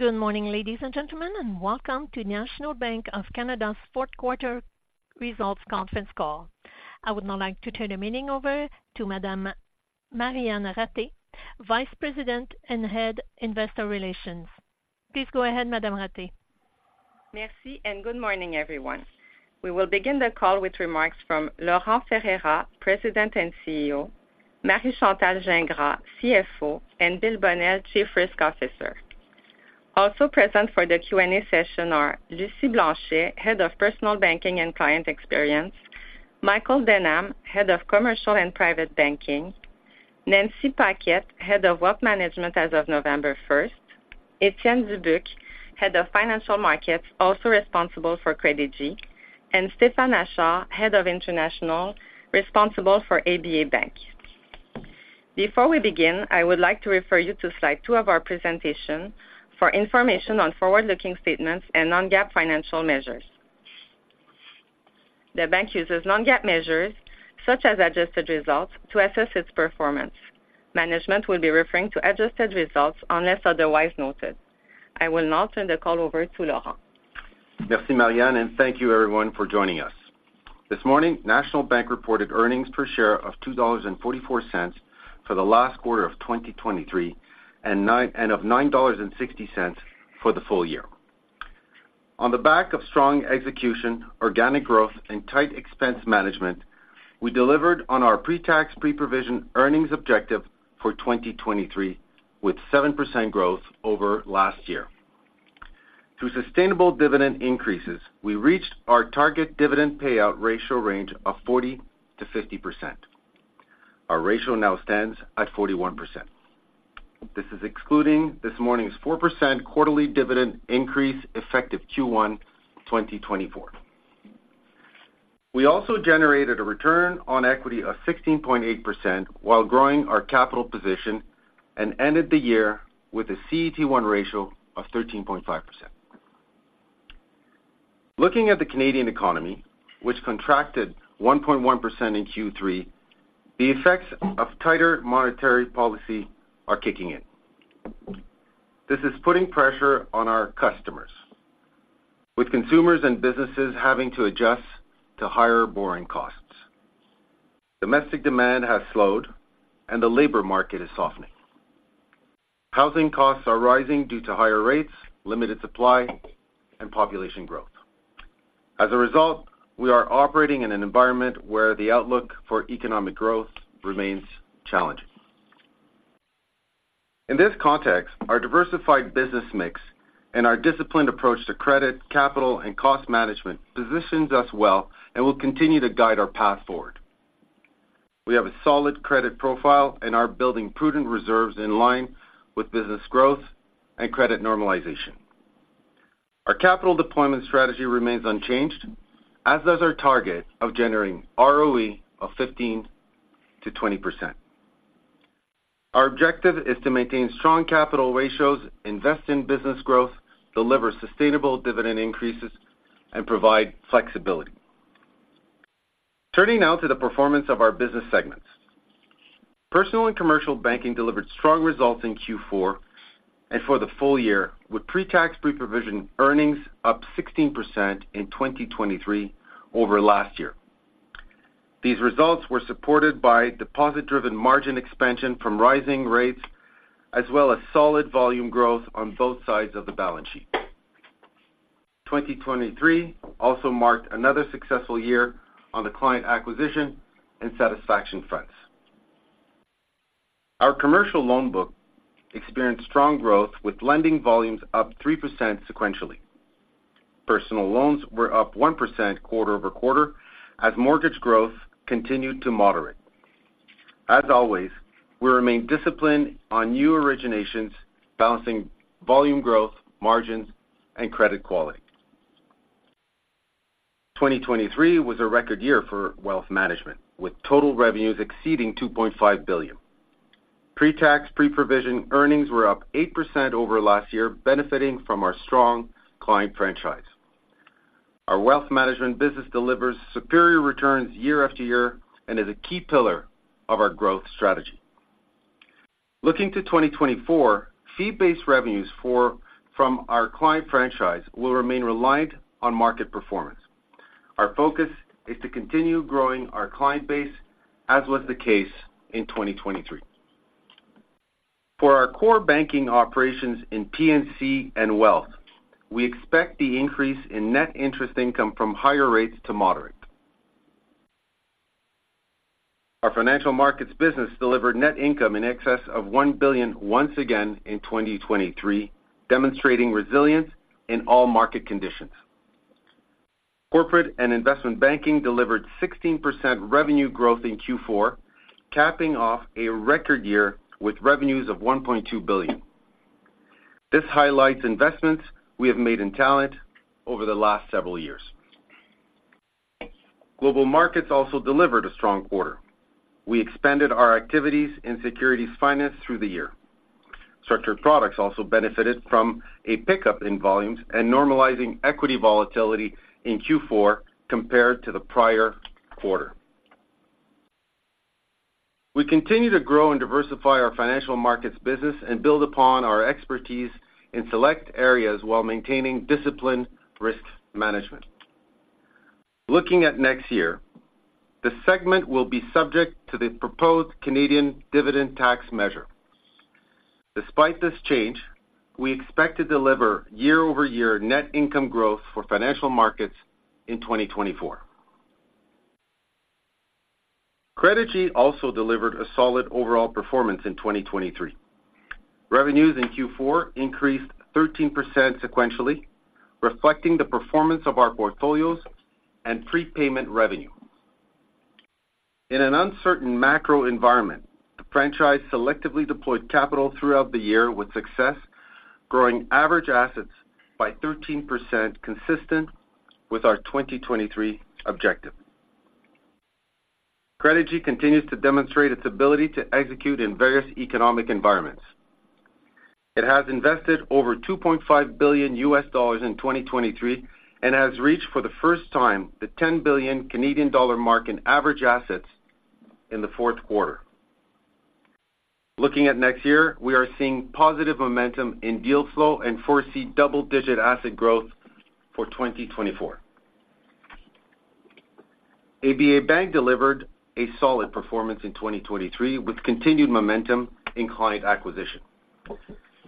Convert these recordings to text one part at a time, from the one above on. Good morning, ladies and gentlemen, and welcome to National Bank of Canada's fourth quarter results conference call. I would now like to turn the meeting over to Madame Marianne Ratté, Vice President and Head, Investor Relations. Please go ahead, Madame Ratté. Merci, and good morning, everyone. We will begin the call with remarks from Laurent Ferreira, President and CEO; Marie-Chantal Gingras, CFO; and Bill Bonnell, Chief Risk Officer. Also present for the Q&A session are Lucie Blanchet, Head of Personal Banking and Client Experience; Michael Denham, Head of Commercial and Private Banking; Nancy Paquette, Head of Wealth Management as of November first; Étienne Dubuc, Head of Financial Markets, also responsible for Credigy, and Stéphane Achard, Head of International, responsible for ABA Bank. Before we begin, I would like to refer you to slide 2 of our presentation for information on forward-looking statements and non-GAAP financial measures. The bank uses non-GAAP measures, such as adjusted results, to assess its performance. Management will be referring to adjusted results unless otherwise noted. I will now turn the call over to Laurent. Merci, Marianne, and thank you, everyone, for joining us. This morning, National Bank reported earnings per share of 2.44 dollars for the last quarter of 2023 and of 9.60 dollars for the full year. On the back of strong execution, organic growth, and tight expense management, we delivered on our pre-tax, preprovision earnings objective for 2023, with 7% growth over last year. Through sustainable dividend increases, we reached our target dividend payout ratio range of 40%-50%. Our ratio now stands at 41%. This is excluding this morning's 4% quarterly dividend increase, effective Q1 2024. We also generated a return on equity of 16.8% while growing our capital position, and ended the year with a CET1 ratio of 13.5%. Looking at the Canadian economy, which contracted 1.1% in Q3, the effects of tighter monetary policy are kicking in. This is putting pressure on our customers, with consumers and businesses having to adjust to higher borrowing costs. Domestic demand has slowed, and the labor market is softening. Housing costs are rising due to higher rates, limited supply, and population growth. As a result, we are operating in an environment where the outlook for economic growth remains challenging. In this context, our diversified business mix and our disciplined approach to credit, capital, and cost management positions us well and will continue to guide our path forward. We have a solid credit profile and are building prudent reserves in line with business growth and credit normalization. Our capital deployment strategy remains unchanged, as does our target of generating ROE of 15%-20%. Our objective is to maintain strong capital ratios, invest in business growth, deliver sustainable dividend increases, and provide flexibility. Turning now to the performance of our business segments. Personal and Commercial Banking delivered strong results in Q4 and for the full year, with pre-tax, pre-provision earnings up 16% in 2023 over last year. These results were supported by deposit-driven margin expansion from rising rates, as well as solid volume growth on both sides of the balance sheet. 2023 also marked another successful year on the client acquisition and satisfaction fronts. Our commercial loan book experienced strong growth, with lending volumes up 3% sequentially. Personal loans were up 1% quarter-over-quarter as mortgage growth continued to moderate. As always, we remain disciplined on new originations, balancing volume growth, margins, and credit quality. 2023 was a record year for wealth management, with total revenues exceeding 2.5 billion. Pre-tax, pre-provision earnings were up 8% over last year, benefiting from our strong client franchise. Our wealth management business delivers superior returns year after year and is a key pillar of our growth strategy. Looking to 2024, fee-based revenues from our client franchise will remain reliant on market performance. Our focus is to continue growing our client base, as was the case in 2023. For our core banking operations in P&C and Wealth, we expect the increase in net interest income from higher rates to moderate. Our financial markets business delivered net income in excess of 1 billion once again in 2023, demonstrating resilience in all market conditions. Corporate and Investment Banking delivered 16% revenue growth in Q4, capping off a record year with revenues of 1.2 billion. This highlights investments we have made in talent over the last several years. Global Markets also delivered a strong quarter. We expanded our activities in securities finance through the year. Structured products also benefited from a pickup in volumes and normalizing equity volatility in Q4 compared to the prior quarter.... We continue to grow and diversify our financial markets business and build upon our expertise in select areas while maintaining disciplined risk management. Looking at next year, the segment will be subject to the proposed Canadian dividend tax measure. Despite this change, we expect to deliver year-over-year net income growth for financial markets in 2024. Credigy also delivered a solid overall performance in 2023. Revenues in Q4 increased 13% sequentially, reflecting the performance of our portfolios and prepayment revenue. In an uncertain macro environment, the franchise selectively deployed capital throughout the year with success, growing average assets by 13%, consistent with our 2023 objective. Credigy continues to demonstrate its ability to execute in various economic environments. It has invested over $2.5 billion in 2023 and has reached, for the first time, the 10 billion Canadian dollar mark in average assets in the fourth quarter. Looking at next year, we are seeing positive momentum in deal flow and foresee double-digit asset growth for 2024. ABA Bank delivered a solid performance in 2023, with continued momentum in client acquisition.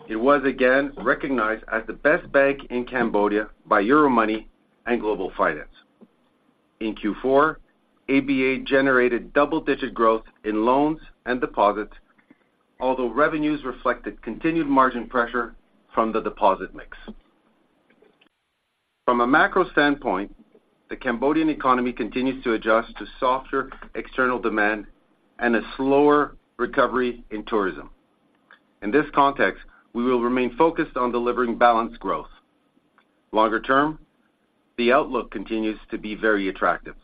It was again recognized as the best bank in Cambodia by Euromoney and Global Finance. In Q4, ABA generated double-digit growth in loans and deposits, although revenues reflected continued margin pressure from the deposit mix. From a macro standpoint, the Cambodian economy continues to adjust to softer external demand and a slower recovery in tourism. In this context, we will remain focused on delivering balanced growth. Longer term, the outlook continues to be very attractive.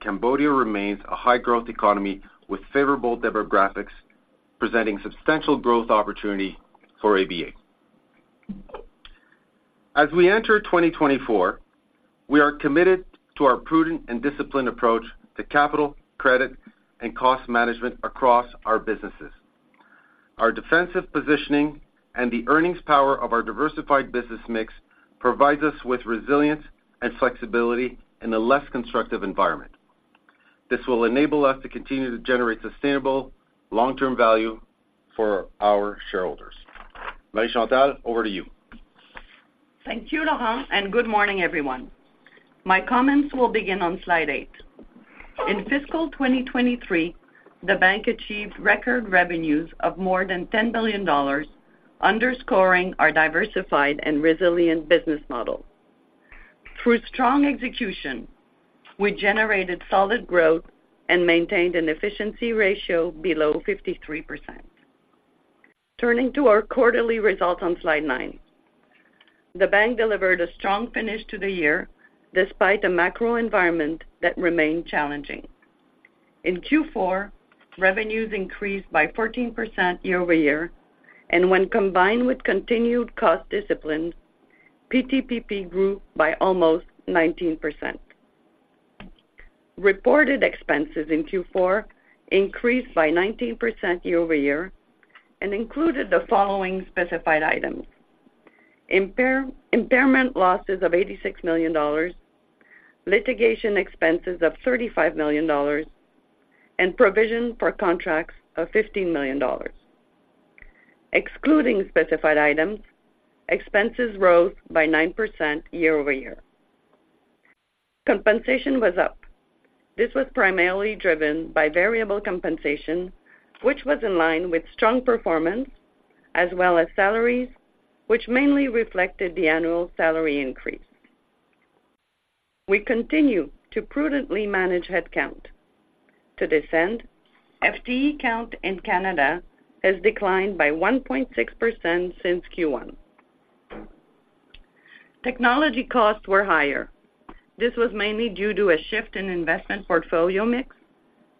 Cambodia remains a high-growth economy with favorable demographics, presenting substantial growth opportunity for ABA. As we enter 2024, we are committed to our prudent and disciplined approach to capital, credit, and cost management across our businesses. Our defensive positioning and the earnings power of our diversified business mix provides us with resilience and flexibility in a less constructive environment. This will enable us to continue to generate sustainable long-term value for our shareholders. Marie Chantal, over to you. Thank you, Laurent, and good morning, everyone. My comments will begin on slide 8. In fiscal 2023, the bank achieved record revenues of more than 10 billion dollars, underscoring our diversified and resilient business model. Through strong execution, we generated solid growth and maintained an efficiency ratio below 53%. Turning to our quarterly results on slide 9. The bank delivered a strong finish to the year, despite a macro environment that remained challenging. In Q4, revenues increased by 14% year-over-year, and when combined with continued cost discipline, PTPP grew by almost 19%. Reported expenses in Q4 increased by 19% year-over-year and included the following specified items: impairment losses of 86 million dollars, litigation expenses of 35 million dollars, and provision for contracts of 15 million dollars. Excluding specified items, expenses rose by 9% year-over-year. Compensation was up. This was primarily driven by variable compensation, which was in line with strong performance, as well as salaries, which mainly reflected the annual salary increase. We continue to prudently manage headcount. To this end, FTE count in Canada has declined by 1.6% since Q1. Technology costs were higher. This was mainly due to a shift in investment portfolio mix,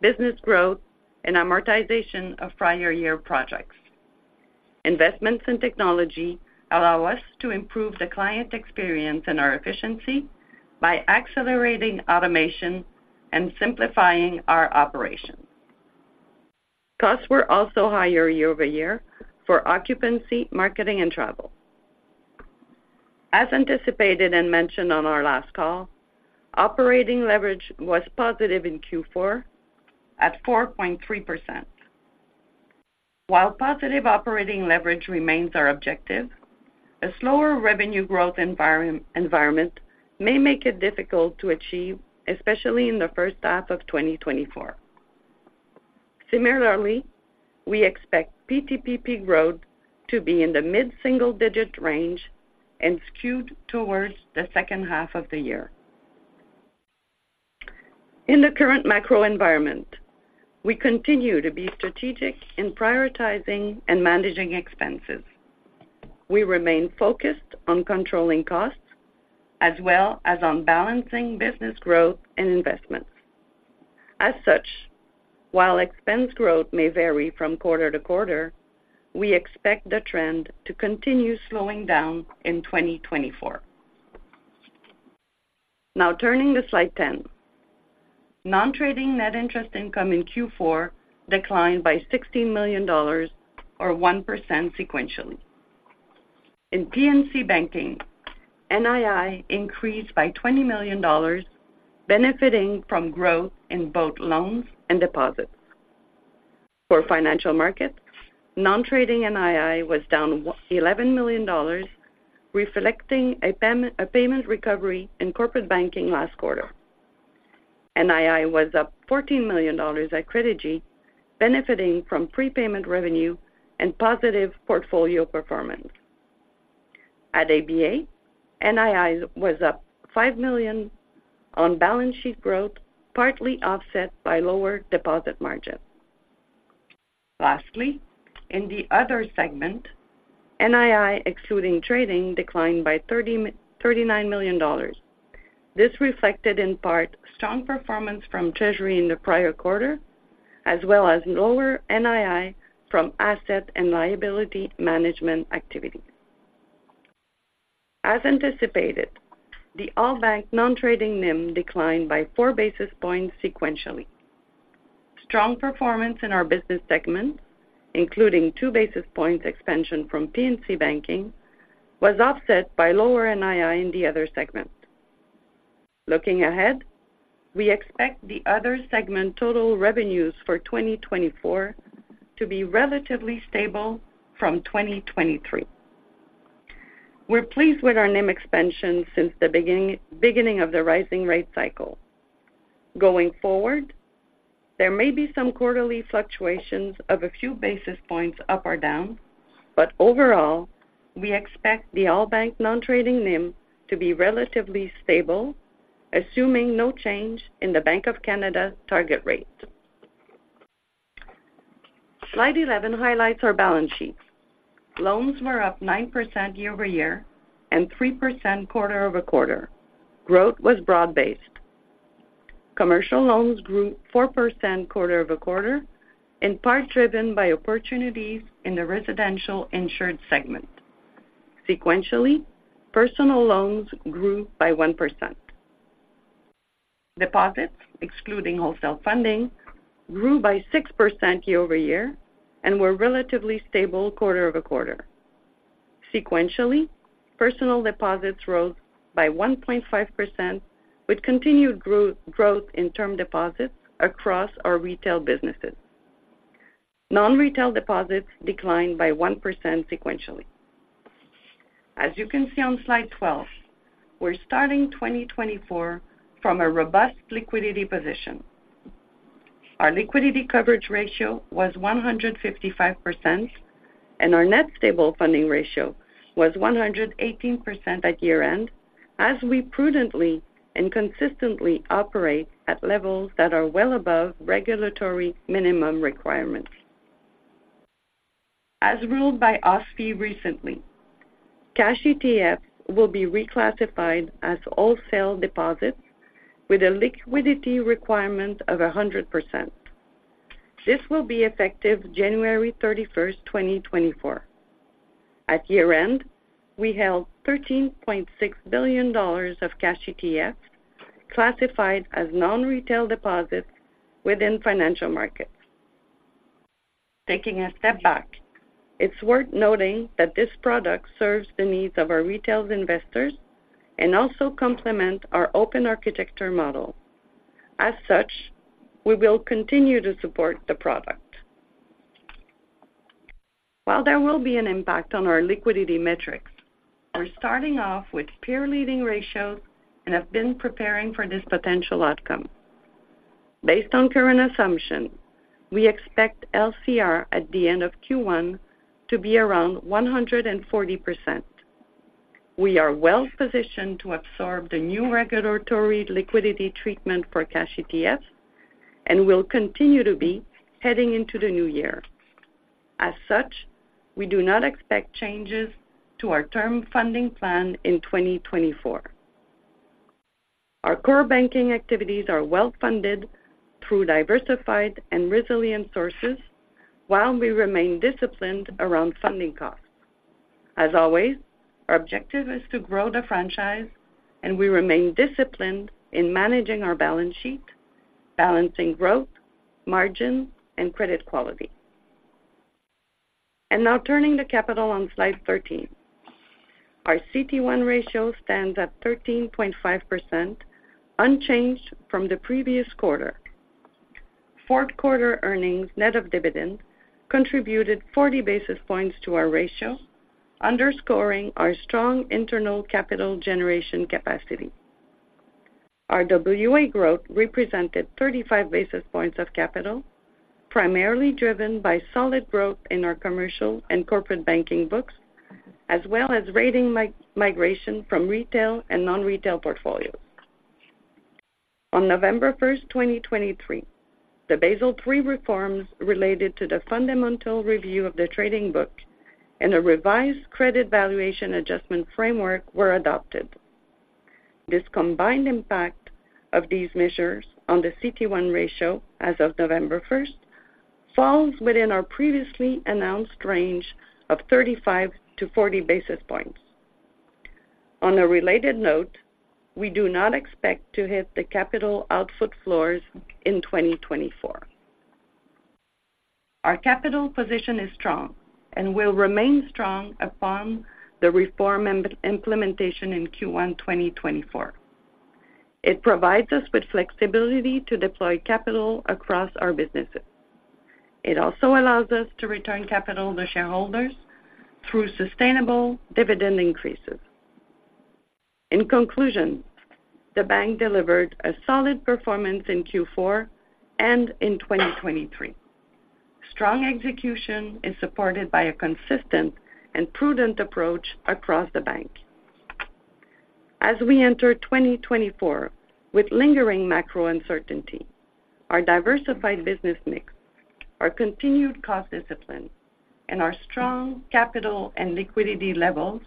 business growth, and amortization of prior year projects. Investments in technology allow us to improve the client experience and our efficiency by accelerating automation and simplifying our operations. Costs were also higher year-over-year for occupancy, marketing, and travel. As anticipated and mentioned on our last call, operating leverage was positive in Q4 at 4.3%. While positive operating leverage remains our objective, a slower revenue growth environment may make it difficult to achieve, especially in the first half of 2024. Similarly, we expect PTPP growth to be in the mid-single digit range and skewed towards the second half of the year. In the current macro environment, we continue to be strategic in prioritizing and managing expenses. We remain focused on controlling costs as well as on balancing business growth and investments. As such, while expense growth may vary from quarter to quarter, we expect the trend to continue slowing down in 2024. Now turning to slide 10. Non-trading net interest income in Q4 declined by 16 million dollars, or 1% sequentially. In PNC Banking, NII increased by 20 million dollars, benefiting from growth in both loans and deposits. For Financial Markets, non-trading NII was down 11 million dollars, reflecting a payment recovery in corporate banking last quarter. NII was up 14 million dollars at Credigy, benefiting from prepayment revenue and positive portfolio performance. At ABA, NII was up $5 million on balance sheet growth, partly offset by lower deposit margins. Lastly, in the other segment, NII, excluding trading, declined by $39 million. This reflected, in part, strong performance from Treasury in the prior quarter, as well as lower NII from asset and liability management activities. As anticipated, the all-bank non-trading NIM declined by 4 basis points sequentially. Strong performance in our business segments, including 2 basis points expansion from PNC Banking, was offset by lower NII in the other segment. Looking ahead, we expect the other segment total revenues for 2024 to be relatively stable from 2023. We're pleased with our NIM expansion since the beginning of the rising rate cycle. Going forward, there may be some quarterly fluctuations of a few basis points up or down, but overall, we expect the all-bank non-trading NIM to be relatively stable, assuming no change in the Bank of Canada target rate. Slide 11 highlights our balance sheet. Loans were up 9% year-over-year and 3% quarter-over-quarter. Growth was broad-based. Commercial loans grew 4% quarter-over-quarter, in part driven by opportunities in the residential insured segment. Sequentially, personal loans grew by 1%. Deposits, excluding wholesale funding, grew by 6% year-over-year and were relatively stable quarter-over-quarter. Sequentially, personal deposits rose by 1.5%, with continued growth, growth in term deposits across our retail businesses. Non-retail deposits declined by 1% sequentially. As you can see on Slide 12, we're starting 2024 from a robust liquidity position. Our Liquidity Coverage Ratio was 155%, and our Net Stable Funding ratio was 118% at year-end, as we prudently and consistently operate at levels that are well above regulatory minimum requirements. As ruled by OSFI recently, cash ETFs will be reclassified as wholesale deposits with a liquidity requirement of 100%. This will be effective January 31, 2024. At year-end, we held 13.6 billion dollars of cash ETFs, classified as non-retail deposits within financial markets. Taking a step back, it's worth noting that this product serves the needs of our retail investors and also complement our open architecture model. As such, we will continue to support the product. While there will be an impact on our liquidity metrics, we're starting off with peer-leading ratios and have been preparing for this potential outcome. Based on current assumptions, we expect LCR at the end of Q1 to be around 140%. We are well positioned to absorb the new regulatory liquidity treatment for cash ETFs and will continue to be heading into the new year. As such, we do not expect changes to our term funding plan in 2024. Our core banking activities are well funded through diversified and resilient sources, while we remain disciplined around funding costs. As always, our objective is to grow the franchise, and we remain disciplined in managing our balance sheet, balancing growth, margin, and credit quality. Now turning to capital on slide 13. Our CET1 ratio stands at 13.5%, unchanged from the previous quarter. Fourth quarter earnings, net of dividend, contributed 40 basis points to our ratio, underscoring our strong internal capital generation capacity. RWA growth represented 35 basis points of capital, primarily driven by solid growth in our commercial and corporate banking books, as well as rating migration from retail and non-retail portfolios. On November 1, 2023, the Basel III reforms related to the Fundamental Review of the Trading Book and a revised Credit Valuation Adjustment framework were adopted. This combined impact of these measures on the CET1 ratio as of November 1 falls within our previously announced range of 35-40 basis points. On a related note, we do not expect to hit the capital output floors in 2024. Our capital position is strong and will remain strong upon the reform implementation in Q1 2024. It provides us with flexibility to deploy capital across our businesses. It also allows us to return capital to shareholders through sustainable dividend increases. In conclusion, the bank delivered a solid performance in Q4 and in 2023. Strong execution is supported by a consistent and prudent approach across the bank. As we enter 2024 with lingering macro uncertainty, our diversified business mix, our continued cost discipline, and our strong capital and liquidity levels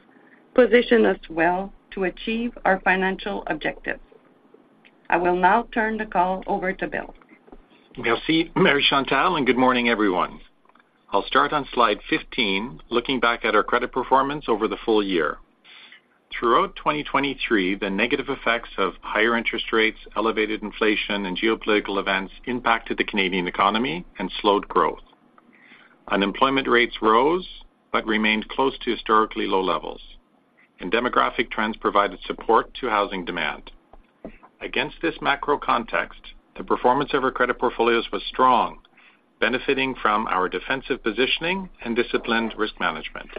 position us well to achieve our financial objectives. I will now turn the call over to Bill. Merci, Marie-Chantal, and good morning, everyone. I'll start on slide 15, looking back at our credit performance over the full year. Throughout 2023, the negative effects of higher interest rates, elevated inflation, and geopolitical events impacted the Canadian economy and slowed growth. Unemployment rates rose, but remained close to historically low levels, and demographic trends provided support to housing demand. Against this macro context, the performance of our credit portfolios was strong, benefiting from our defensive positioning and disciplined risk management.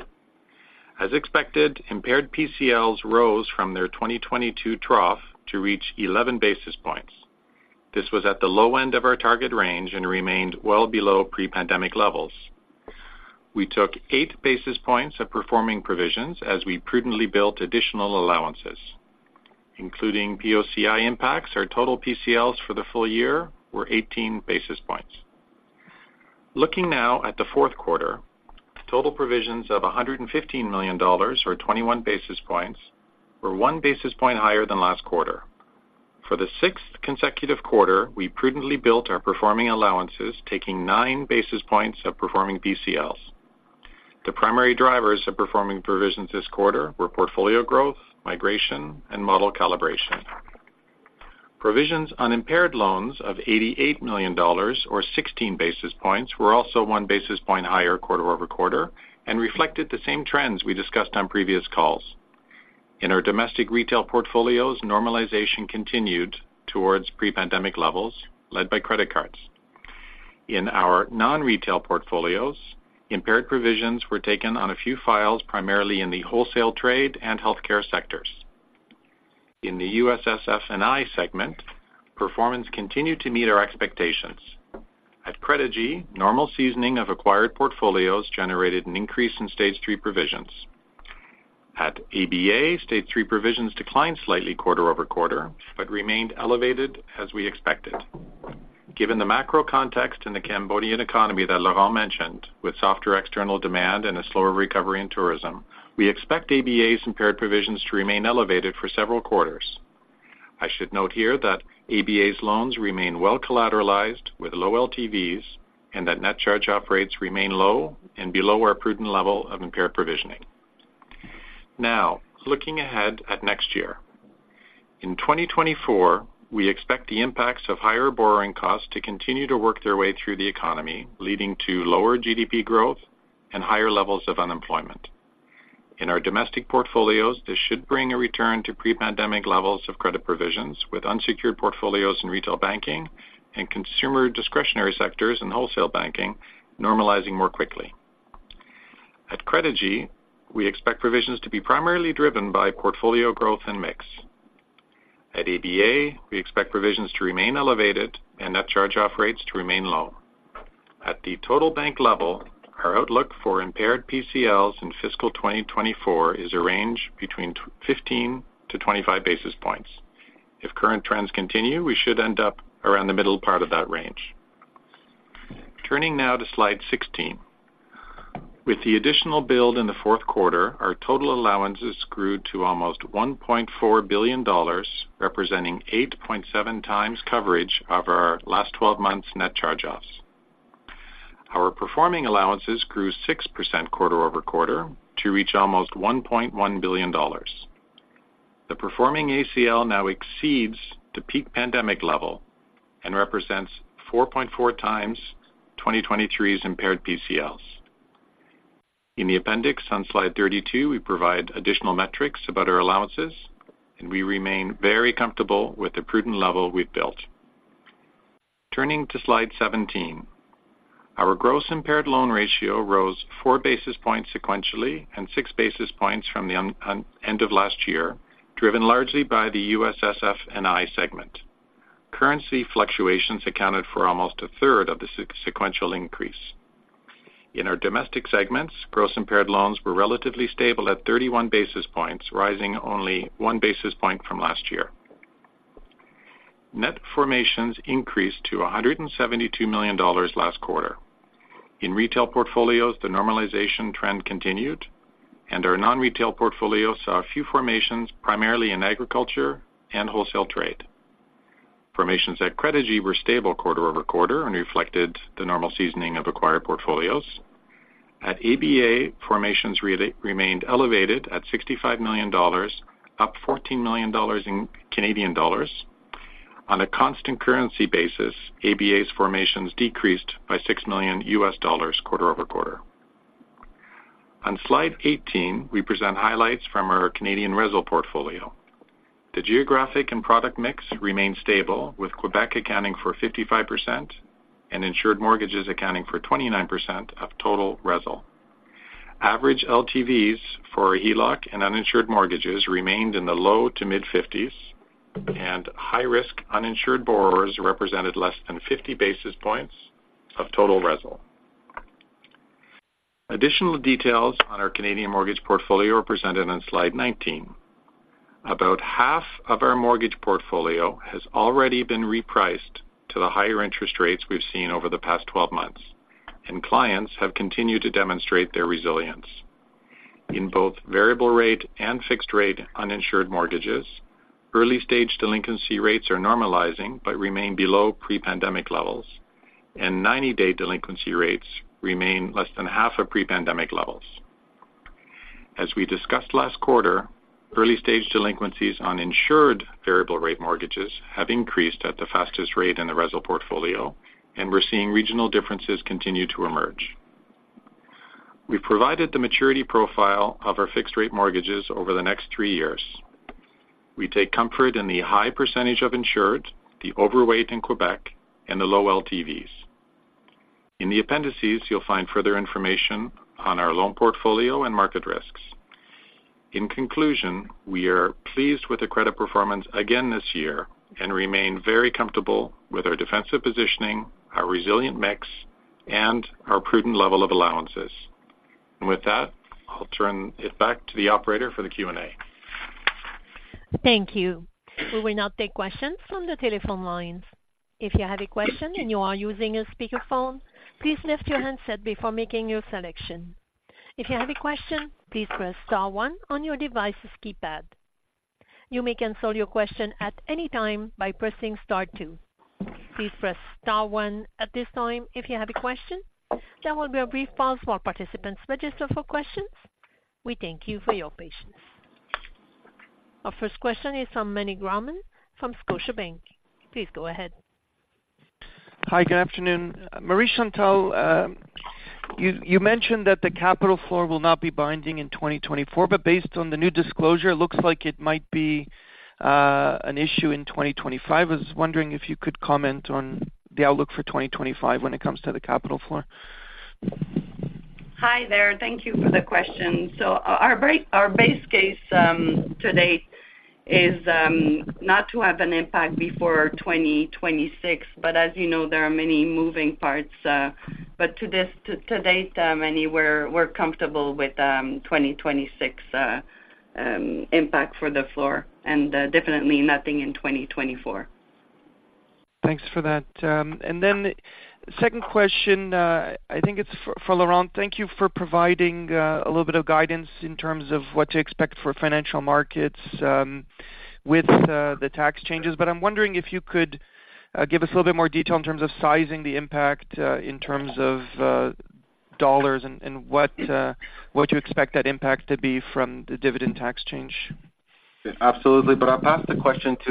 As expected, impaired PCLs rose from their 2022 trough to reach 11 basis points. This was at the low end of our target range and remained well below pre-pandemic levels. We took 8 basis points of performing provisions as we prudently built additional allowances, including POCI impacts. Our total PCLs for the full year were 18 basis points. Looking now at the fourth quarter, total provisions of 115 million dollars, or 21 basis points, were 1 basis point higher than last quarter. For the sixth consecutive quarter, we prudently built our performing allowances, taking 9 basis points of performing PCLs. The primary drivers of performing provisions this quarter were portfolio growth, migration, and model calibration. Provisions on impaired loans of 88 million dollars, or 16 basis points, were also 1 basis point higher quarter-over-quarter and reflected the same trends we discussed on previous calls. In our domestic retail portfolios, normalization continued towards pre-pandemic levels, led by credit cards. In our non-retail portfolios, impaired provisions were taken on a few files, primarily in the wholesale trade and healthcare sectors. In the USSF&I segment, performance continued to meet our expectations. At Credigy, normal seasoning of acquired portfolios generated an increase in Stage 3 provisions. At ABA, Stage 3 provisions declined slightly quarter-over-quarter, but remained elevated as we expected. Given the macro context in the Cambodian economy that Laurent mentioned, with softer external demand and a slower recovery in tourism, we expect ABA's impaired provisions to remain elevated for several quarters. I should note here that ABA's loans remain well collateralized with low LTVs, and that net charge-off rates remain low and below our prudent level of impaired provisioning. Now, looking ahead at next year. In 2024, we expect the impacts of higher borrowing costs to continue to work their way through the economy, leading to lower GDP growth and higher levels of unemployment. In our domestic portfolios, this should bring a return to pre-pandemic levels of credit provisions, with unsecured portfolios in retail banking and consumer discretionary sectors and wholesale banking normalizing more quickly. At Credigy, we expect provisions to be primarily driven by portfolio growth and mix. At ABA, we expect provisions to remain elevated and net charge-off rates to remain low. At the total bank level, our outlook for impaired PCLs in fiscal 2024 is a range between 15-25 basis points. If current trends continue, we should end up around the middle part of that range. Turning now to slide 16. With the additional build in the fourth quarter, our total allowances grew to almost 1.4 billion dollars, representing 8.7 times coverage of our last 12 months net charge-offs. Our performing allowances grew 6% quarter-over-quarter to reach almost 1.1 billion dollars. The performing ACL now exceeds the peak pandemic level and represents 4.4 times 2023's impaired PCLs. In the appendix, on slide 32, we provide additional metrics about our allowances, and we remain very comfortable with the prudent level we've built. Turning to slide 17, our gross impaired loan ratio rose 4 basis points sequentially, and 6 basis points from the end of last year, driven largely by the USSF&I segment. Currency fluctuations accounted for almost a third of the sequential increase. In our domestic segments, gross impaired loans were relatively stable at 31 basis points, rising only 1 basis point from last year. Net formations increased to 172 million dollars last quarter. In retail portfolios, the normalization trend continued... and our non-retail portfolio saw a few formations, primarily in agriculture and wholesale trade. Formations at Credigy were stable quarter-over-quarter and reflected the normal seasoning of acquired portfolios. At ABA, formations remained elevated at $65 million, up 14 million dollars in Canadian dollars. On a constant currency basis, ABA's formations decreased by $6 million quarter over quarter. On slide 18, we present highlights from our Canadian resi portfolio. The geographic and product mix remained stable, with Quebec accounting for 55% and insured mortgages accounting for 29% of total resi. Average LTVs for HELOC and uninsured mortgages remained in the low- to mid-50s, and high-risk uninsured borrowers represented less than 50 basis points of total resi. Additional details on our Canadian mortgage portfolio are presented on slide 19. About half of our mortgage portfolio has already been repriced to the higher interest rates we've seen over the past 12 months, and clients have continued to demonstrate their resilience. In both variable rate and fixed rate uninsured mortgages, early-stage delinquency rates are normalizing, but remain below pre-pandemic levels, and 90-day delinquency rates remain less than half of pre-pandemic levels. As we discussed last quarter, early-stage delinquencies on insured variable rate mortgages have increased at the fastest rate in the resi portfolio, and we're seeing regional differences continue to emerge. We've provided the maturity profile of our fixed rate mortgages over the next 3 years. We take comfort in the high percentage of insured, the overweight in Quebec, and the low LTVs. In the appendices, you'll find further information on our loan portfolio and market risks. In conclusion, we are pleased with the credit performance again this year and remain very comfortable with our defensive positioning, our resilient mix, and our prudent level of allowances. And with that, I'll turn it back to the operator for the Q&A. Thank you. We will now take questions from the telephone lines. If you have a question and you are using a speakerphone, please lift your handset before making your selection. If you have a question, please press star one on your device's keypad. You may cancel your question at any time by pressing star two. Please press star one at this time if you have a question. There will be a brief pause while participants register for questions. We thank you for your patience. Our first question is from Meny Grauman from Scotiabank. Please go ahead. Hi, good afternoon. Marie Chantal, you mentioned that the capital floor will not be binding in 2024, but based on the new disclosure, it looks like it might be an issue in 2025. I was wondering if you could comment on the outlook for 2025 when it comes to the capital floor. Hi there, thank you for the question. So our base case to date is not to have an impact before 2026, but as you know, there are many moving parts, but to date, Meny, we're comfortable with 2026 impact for the floor and definitely nothing in 2024. Thanks for that. And then second question, I think it's for Laurent. Thank you for providing a little bit of guidance in terms of what to expect for Financial Markets with the tax changes. But I'm wondering if you could give us a little bit more detail in terms of sizing the impact in terms of dollars and what you expect that impact to be from the dividend tax change. Absolutely. But I'll pass the question to,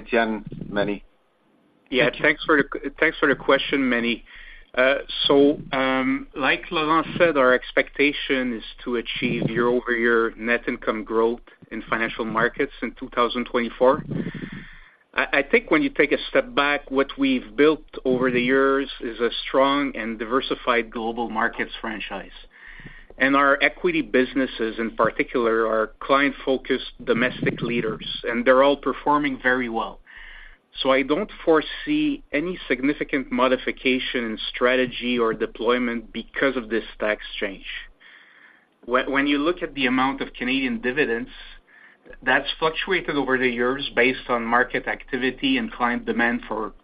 Étienne, Meny. Yeah, thanks for the question, Meny. So, like Laurent said, our expectation is to achieve year-over-year net income growth in Financial Markets in 2024. I think when you take a step back, what we've built over the years is a strong and diversified global markets franchise. And our equity businesses, in particular, are client-focused domestic leaders, and they're all performing very well. So I don't foresee any significant modification in strategy or deployment because of this tax change. When you look at the amount of Canadian dividends, that's fluctuated over the years based on market activity and client demand for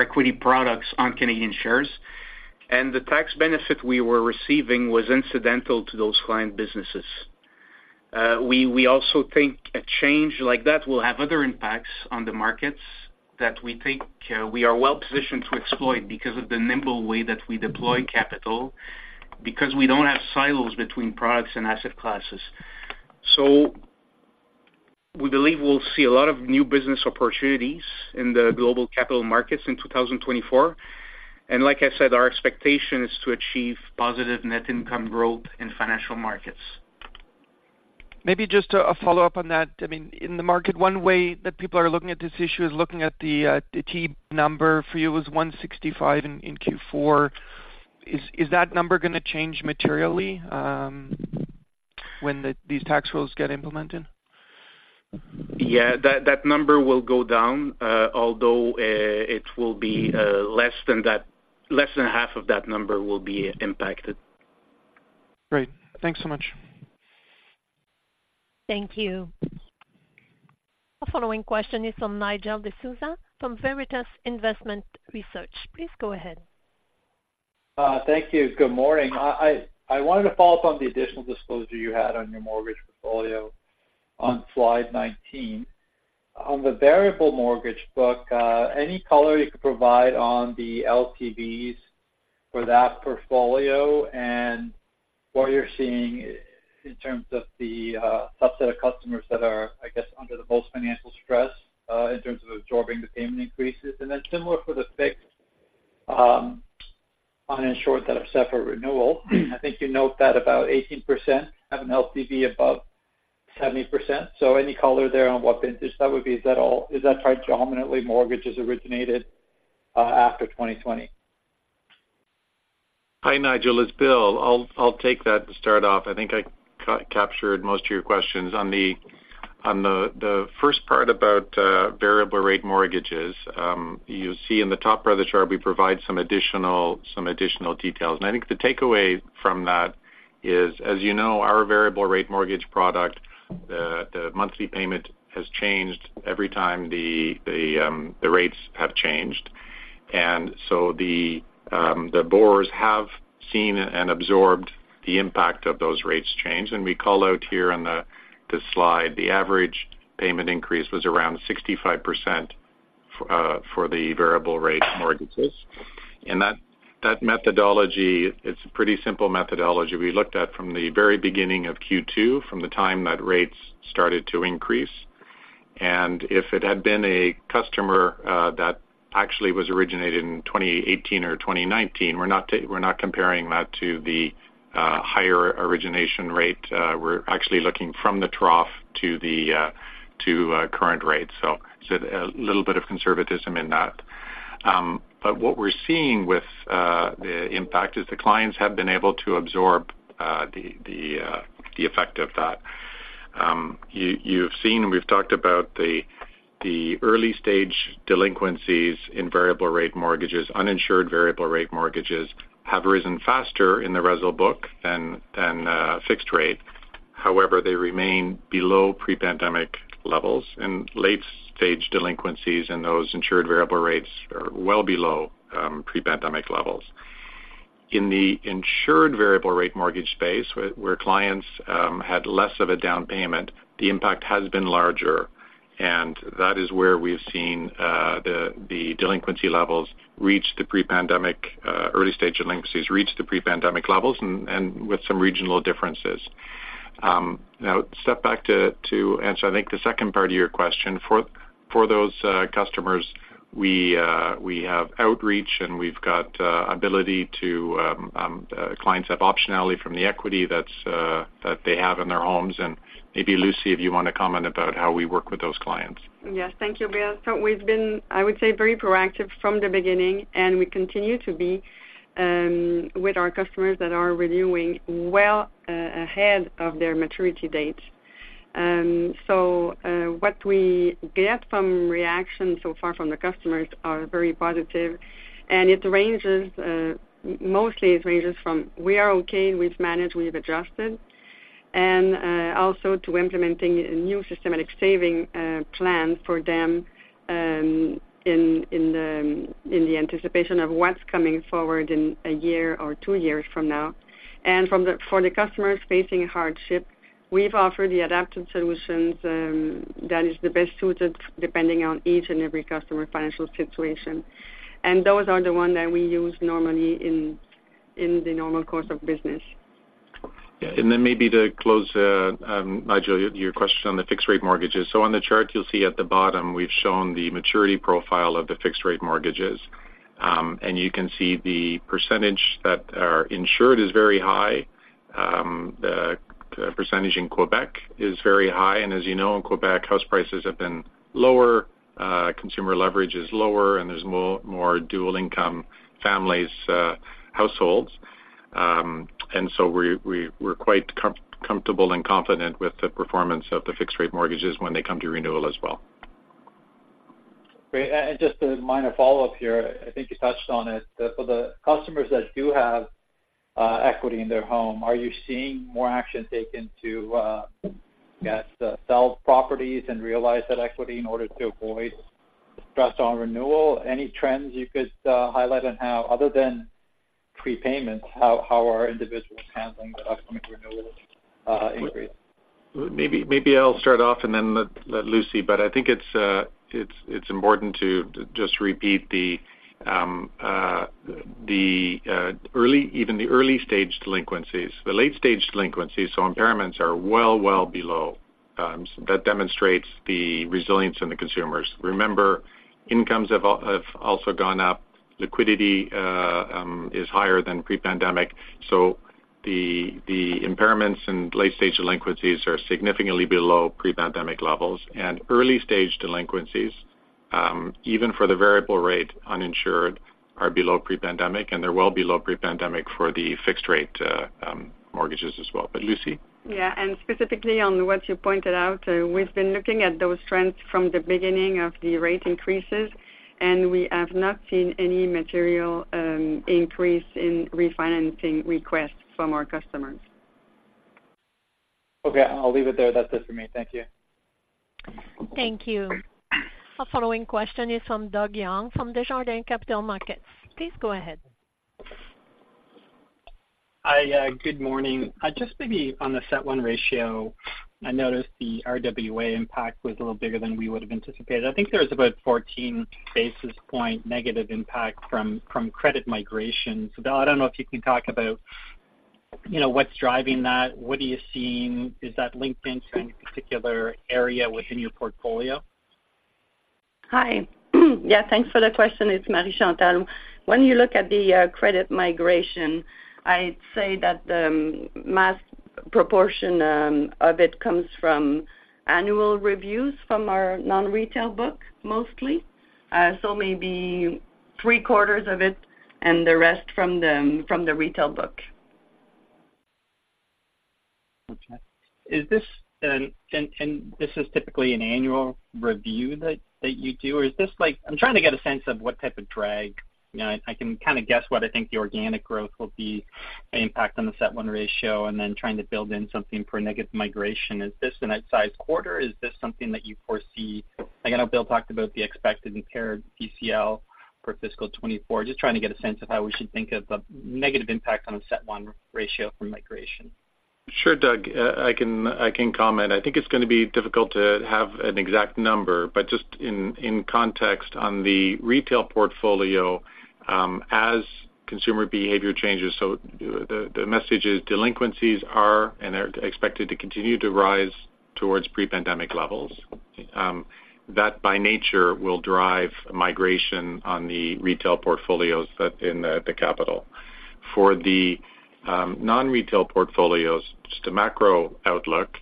equity products on Canadian shares, and the tax benefit we were receiving was incidental to those client businesses. We also think a change like that will have other impacts on the markets that we think we are well positioned to exploit because of the nimble way that we deploy capital, because we don't have silos between products and asset classes. So we believe we'll see a lot of new business opportunities in the global capital markets in 2024. And like I said, our expectation is to achieve positive net income growth in Financial Markets. Maybe just a follow-up on that. I mean, in the market, one way that people are looking at this issue is looking at the T number for you was 165 in Q4. Is that number going to change materially when these tax rules get implemented? Yeah, that, that number will go down, although, it will be, less than that - less than half of that number will be impacted. Great. Thanks so much. Thank you. The following question is from Nigel D'Souza from Veritas Investment Research. Please go ahead. Thank you. Good morning. I wanted to follow up on the additional disclosure you had on your mortgage portfolio on slide 19. On the variable mortgage book, any color you could provide on the LTVs for that portfolio and what you're seeing in terms of the subset of customers that are, I guess, under the most financial stress in terms of absorbing the payment increases? And then similar for the fixed uninsured that are set for renewal. I think you note that about 18% have an LTV above 70%. So any color there on what vintage that would be? Is that predominantly mortgages originated after 2020? Hi, Nigel, it's Bill. I'll take that to start off. I think I captured most of your questions. On the first part about variable rate mortgages, you see in the top part of the chart, we provide some additional details. And I think the takeaway from that is, as you know, our variable rate mortgage product, the monthly payment has changed every time the rates have changed. And so the borrowers have seen and absorbed the impact of those rates change. And we call out here on the slide, the average payment increase was around 65% for the variable rate mortgages. And that methodology, it's a pretty simple methodology. We looked at from the very beginning of Q2, from the time that rates started to increase. And if it had been a customer that actually was originated in 2018 or 2019, we're not comparing that to the higher origination rate. We're actually looking from the trough to the current rate. So a little bit of conservatism in that. But what we're seeing with the impact is the clients have been able to absorb the effect of that. You've seen, and we've talked about the early-stage delinquencies in variable rate mortgages. Uninsured variable rate mortgages have risen faster in the resi book than fixed rate. However, they remain below pre-pandemic levels, and late-stage delinquencies in those insured variable rates are well below pre-pandemic levels. In the insured variable rate mortgage space, where clients had less of a down payment, the impact has been larger, and that is where we've seen the delinquency levels reach the pre-pandemic early stage delinquencies reach the pre-pandemic levels and with some regional differences. Now step back to answer, I think, the second part of your question. For those customers, we have outreach, and we've got ability to clients have optionality from the equity that's that they have in their homes. And maybe, Lucie, if you want to comment about how we work with those clients. Yes. Thank you, Bill. So we've been, I would say, very proactive from the beginning, and we continue to be, with our customers that are renewing well, ahead of their maturity date. So, what we get from reaction so far from the customers are very positive, and it ranges, mostly it ranges from, "We are okay, we've managed, we've adjusted," and, also to implementing a new systematic saving plan for them, in the anticipation of what's coming forward in a year or two years from now. And for the customers facing hardship, we've offered the adapted solutions, that is the best suited depending on each and every customer financial situation. And those are the ones that we use normally in the normal course of business. Yeah, and then maybe to close, Nigel, your question on the fixed-rate mortgages. So on the chart, you'll see at the bottom, we've shown the maturity profile of the fixed-rate mortgages. And you can see the percentage that are insured is very high. The percentage in Quebec is very high, and as you know, in Quebec, house prices have been lower, consumer leverage is lower, and there's more dual income families, households. And so we're quite comfortable and confident with the performance of the fixed-rate mortgages when they come to renewal as well. Great. And just a minor follow-up here, I think you touched on it. For the customers that do have equity in their home, are you seeing more action taken to I guess sell properties and realize that equity in order to avoid stress on renewal? Any trends you could highlight on how, other than prepayments, how are individuals handling the upcoming renewal increase? Maybe I'll start off and then let Lucie, but I think it's important to just repeat the early, even the early-stage delinquencies. The late-stage delinquencies, so impairments are well below, that demonstrates the resilience in the consumers. Remember, incomes have also gone up, liquidity is higher than pre-pandemic. So the impairments and late-stage delinquencies are significantly below pre-pandemic levels. And early-stage delinquencies, even for the variable rate uninsured, are below pre-pandemic, and they're well below pre-pandemic for the fixed-rate mortgages as well. But Lucie? Yeah, and specifically on what you pointed out, we've been looking at those trends from the beginning of the rate increases, and we have not seen any material increase in refinancing requests from our customers. Okay, I'll leave it there. That's it for me. Thank you. Thank you. Our following question is from Doug Young, from Desjardins Capital Markets. Please go ahead. Hi, good morning. Just maybe on the CET1 ratio, I noticed the RWA impact was a little bigger than we would have anticipated. I think there was about 14 basis points negative impact from credit migration. So Bill, I don't know if you can talk about, you know, what's driving that? What are you seeing? Is that linked into any particular area within your portfolio? Hi. Yes, thanks for the question. It's Marie Chantal. When you look at the credit migration, I'd say that the mass proportion of it comes from annual reviews from our non-retail book, mostly. So maybe three quarters of it and the rest from the retail book. Okay. Is this, and this is typically an annual review that you do, or is this like- I'm trying to get a sense of what type of drag. You know, I can kind of guess what I think the organic growth will be, the impact on the CET1 ratio, and then trying to build in something for negative migration. Is this an outsized quarter? Is this something that you foresee? I know Bill talked about the expected impaired PCL for fiscal 2024. Just trying to get a sense of how we should think of the negative impact on the CET1 ratio from migration. Sure, Doug, I can comment. I think it's going to be difficult to have an exact number, but just in context, on the retail portfolio, as consumer behavior changes, so the message is delinquencies are and are expected to continue to rise towards pre-pandemic levels. That, by nature, will drive migration on the retail portfolios that in the capital. For the non-retail portfolios, just a macro outlook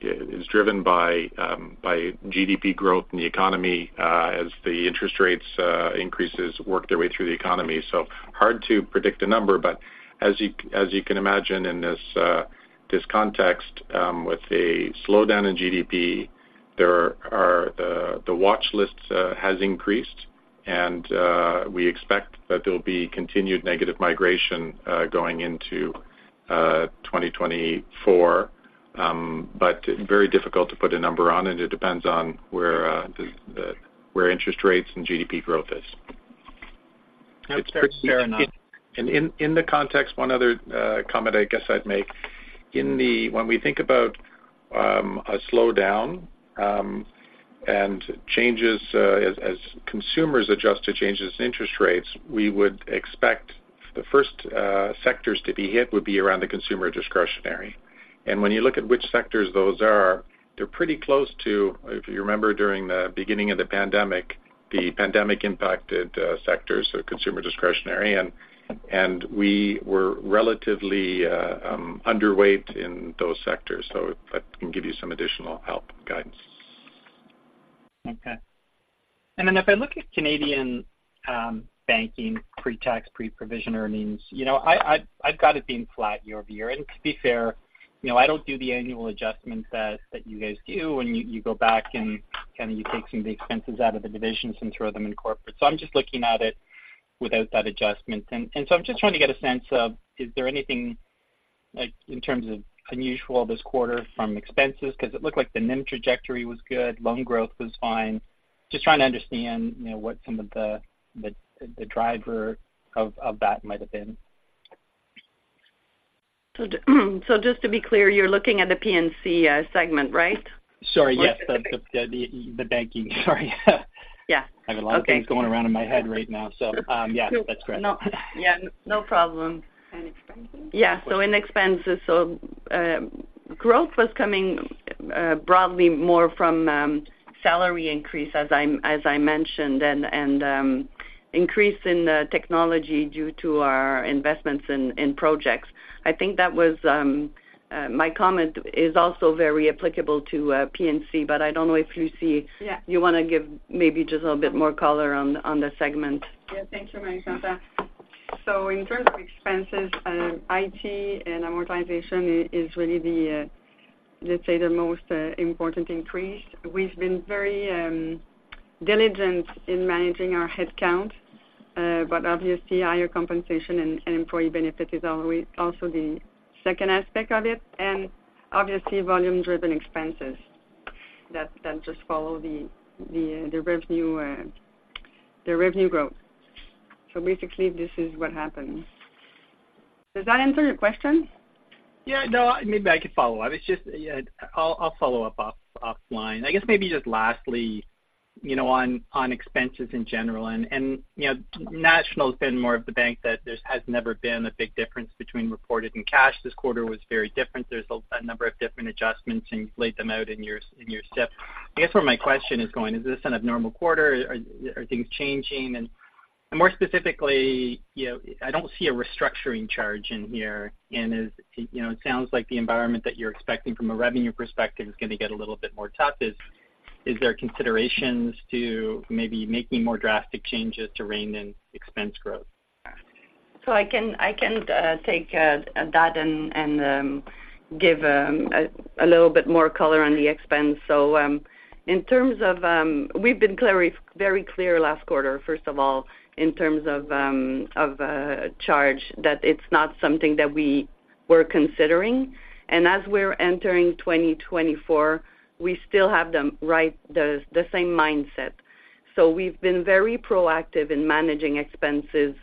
is driven by GDP growth in the economy, as the interest rates increases work their way through the economy. So hard to predict a number, but as you can imagine in this context, with a slowdown in GDP, there are, the watch list has increased, and we expect that there'll be continued negative migration going into 2024. But very difficult to put a number on, and it depends on where interest rates and GDP growth is. Fair enough. In the context, one other comment I guess I'd make, in when we think about a slowdown and changes as consumers adjust to changes in interest rates, we would expect the first sectors to be hit would be around the consumer discretionary. And when you look at which sectors those are, they're pretty close to, if you remember, during the beginning of the pandemic, the pandemic-impacted sectors are consumer discretionary, and we were relatively underweight in those sectors. So if that can give you some additional help guidance. Okay. Then if I look at Canadian banking, pre-tax, pre-provision earnings, you know, I've got it being flat year-over-year. And to be fair, you know, I don't do the annual adjustments that you guys do, and you go back and kind of you take some of the expenses out of the divisions and throw them in corporate. So I'm just looking at it without that adjustment. And so I'm just trying to get a sense of, is there anything like in terms of unusual this quarter from expenses? Because it looked like the NIM trajectory was good, loan growth was fine. Just trying to understand, you know, what some of the driver of that might have been. So, so just to be clear, you're looking at the PNC segment, right? Sorry, yes, the banking. Sorry. Yeah. I have a lot of things going around in my head right now, so, yeah, that's correct. No, yeah, no problem. And expenses? Yeah, so in expenses. So, growth was coming broadly more from salary increase, as I mentioned, and increase in the technology due to our investments in projects. I think that was my comment is also very applicable to PNC, but I don't know if Lucie- Yeah. You want to give maybe just a little bit more color on the segment. Yeah. Thank you, Marie Chantal. So in terms of expenses, IT and amortization is really the, let's say, the most important increase. We've been very diligent in managing our headcount, but obviously, higher compensation and employee benefit is always also the second aspect of it, and obviously, volume-driven expenses that just follow the revenue growth. So basically, this is what happens. Does that answer your question? Yeah, no, maybe I could follow up. It's just, yeah, I'll follow up offline. I guess maybe just lastly, you know, on expenses in general, and you know, National has been more of the bank that there's never been a big difference between reported and cash. This quarter was very different. There's a number of different adjustments, and you've laid them out in your SIP. I guess where my question is going is this an abnormal quarter? Are things changing? And more specifically, you know, I don't see a restructuring charge in here, and as you know, it sounds like the environment that you're expecting from a revenue perspective is going to get a little bit more tough. Is there considerations to maybe making more drastic changes to rein in expense growth? So I can take that and give a little bit more color on the expense. So in terms of we've been clear, very clear last quarter, first of all, in terms of charge, that it's not something that we're considering, and as we're entering 2024, we still have them, right, the same mindset. So we've been very proactive in managing expenses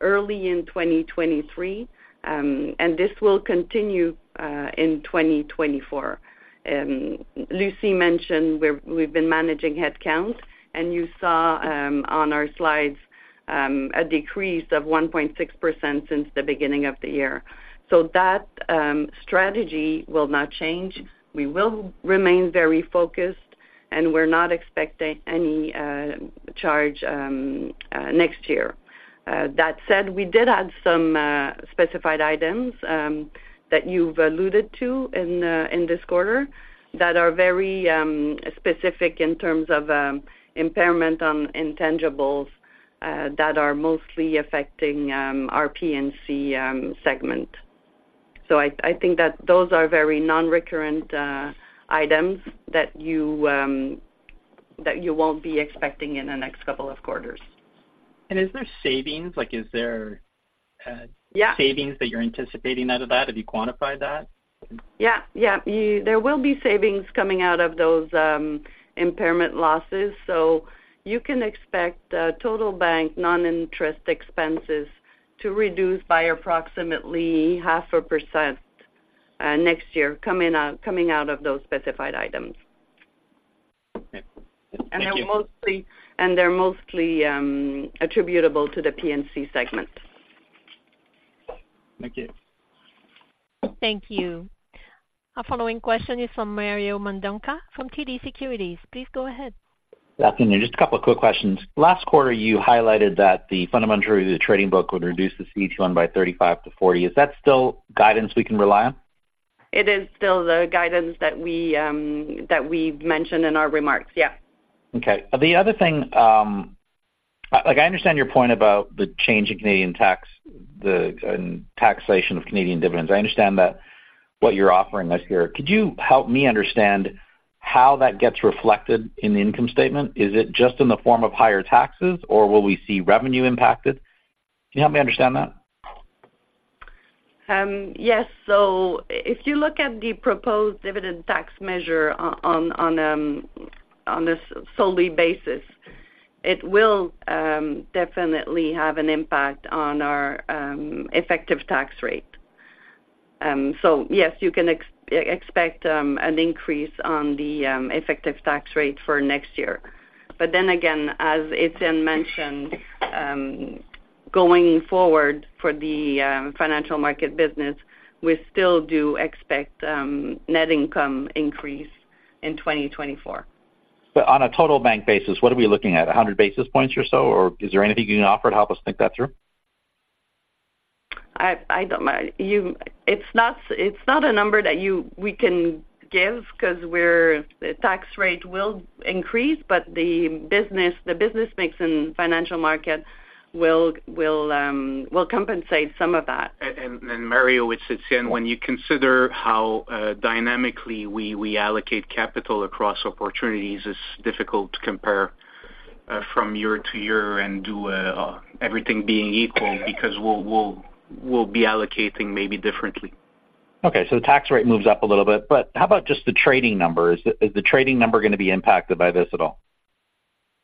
early in 2023, and this will continue in 2024. Lucie mentioned we've been managing headcount, and you saw on our slides a decrease of 1.6% since the beginning of the year. So that strategy will not change. We will remain very focused, and we're not expecting any charge next year. That said, we did add some specified items that you've alluded to in this quarter, that are very specific in terms of impairment on intangibles that are mostly affecting our PNC segment. So I think that those are very non-recurrent items that you won't be expecting in the next couple of quarters. Is there savings? Like, is there, Yeah. savings that you're anticipating out of that? Have you quantified that? Yeah, yeah. There will be savings coming out of those impairment losses. So you can expect total bank non-interest expenses to reduce by approximately 0.5%, next year, coming out of those specified items. Okay. Thank you. They're mostly attributable to the PNC segment. Thank you. Thank you. Our following question is from Mario Mendonca from TD Securities. Please go ahead. Good afternoon. Just a couple of quick questions. Last quarter, you highlighted that the fundamental trading book would reduce the CET1 by 35-40. Is that still guidance we can rely on? It is still the guidance that we've mentioned in our remarks. Yeah. Okay. The other thing, like I understand your point about the change in Canadian tax, the, taxation of Canadian dividends. I understand that, what you're offering us here. Could you help me understand how that gets reflected in the income statement? Is it just in the form of higher taxes, or will we see revenue impacted? Can you help me understand that? Yes. So if you look at the proposed dividend tax measure on a solely basis, it will definitely have an impact on our effective tax rate. So yes, you can expect an increase on the effective tax rate for next year. But then again, as Étienne mentioned, going forward for the financial market business, we still do expect net income increase in 2024. But on a total bank basis, what are we looking at, 100 basis points or so, or is there anything you can offer to help us think that through? I don't. It's not a number that we can give, 'cause the tax rate will increase, but the business mix in Financial Markets will compensate some of that. And Mario, it's Étienne. When you consider how dynamically we allocate capital across opportunities, it's difficult to compare from year to year and do everything being equal, because we'll be allocating maybe differently. Okay, so the tax rate moves up a little bit, but how about just the trading number? Is the trading number going to be impacted by this at all?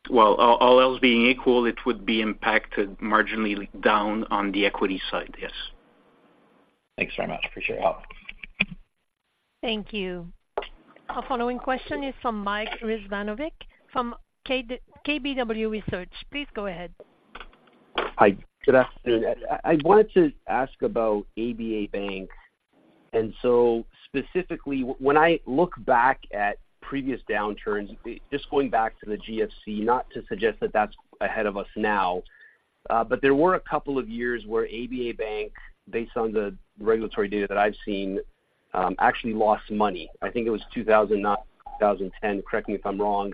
Well, all else being equal, it would be impacted marginally down on the equity side, yes. Thanks very much. Appreciate your help. Thank you. Our following question is from Mike Rizvanovic from KBW Research. Please go ahead. Hi, good afternoon. I wanted to ask about ABA Bank. So specifically, when I look back at previous downturns, just going back to the GFC, not to suggest that that's ahead of us now, but there were a couple of years where ABA Bank, based on the regulatory data that I've seen, actually lost money. I think it was 2009, 2010, correct me if I'm wrong.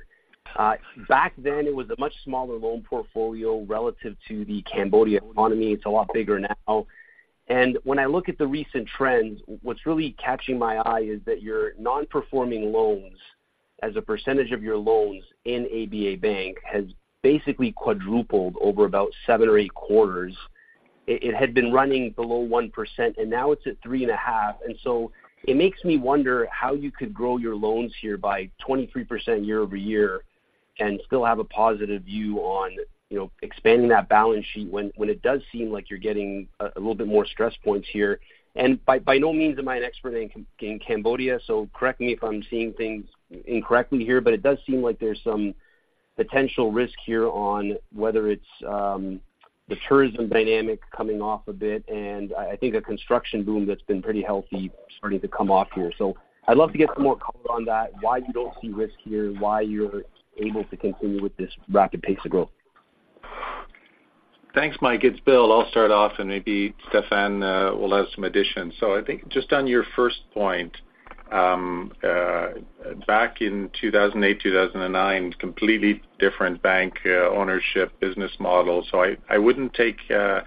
Back then, it was a much smaller loan portfolio relative to the Cambodia economy. It's a lot bigger now. When I look at the recent trends, what's really catching my eye is that your non-performing loans, as a percentage of your loans in ABA Bank, has basically quadrupled over about 7 or 8 quarters. It had been running below 1%, and now it's at 3.5%. And so it makes me wonder how you could grow your loans here by 23% year-over-year and still have a positive view on, you know, expanding that balance sheet when it does seem like you're getting a little bit more stress points here. By no means am I an expert in Cambodia, so correct me if I'm seeing things incorrectly here, but it does seem like there's some potential risk here on whether it's the tourism dynamic coming off a bit, and I think a construction boom that's been pretty healthy starting to come off here. So I'd love to get some more color on that, why you don't see risk here, and why you're able to continue with this rapid pace of growth. Thanks, Mike. It's Bill. I'll start off, and maybe Stéphane will add some additions. So I think just on your first point, back in 2008, 2009, completely different bank, ownership business model. So I wouldn't take, I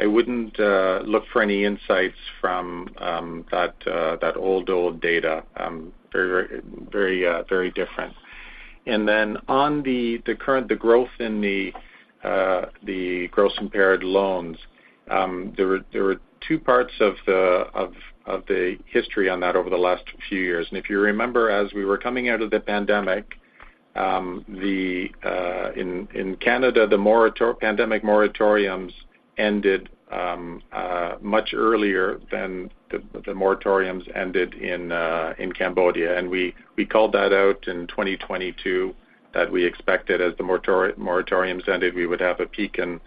wouldn't look for any insights from, that old data. Very different.... And then on the current, the growth in the gross impaired loans, there were two parts of the history on that over the last few years. And if you remember, as we were coming out of the pandemic, in Canada, the pandemic moratoriums ended, much earlier than the moratoriums ended in Cambodia. And we called that out in 2022, that we expected as the moratoriums ended, we would have a peak in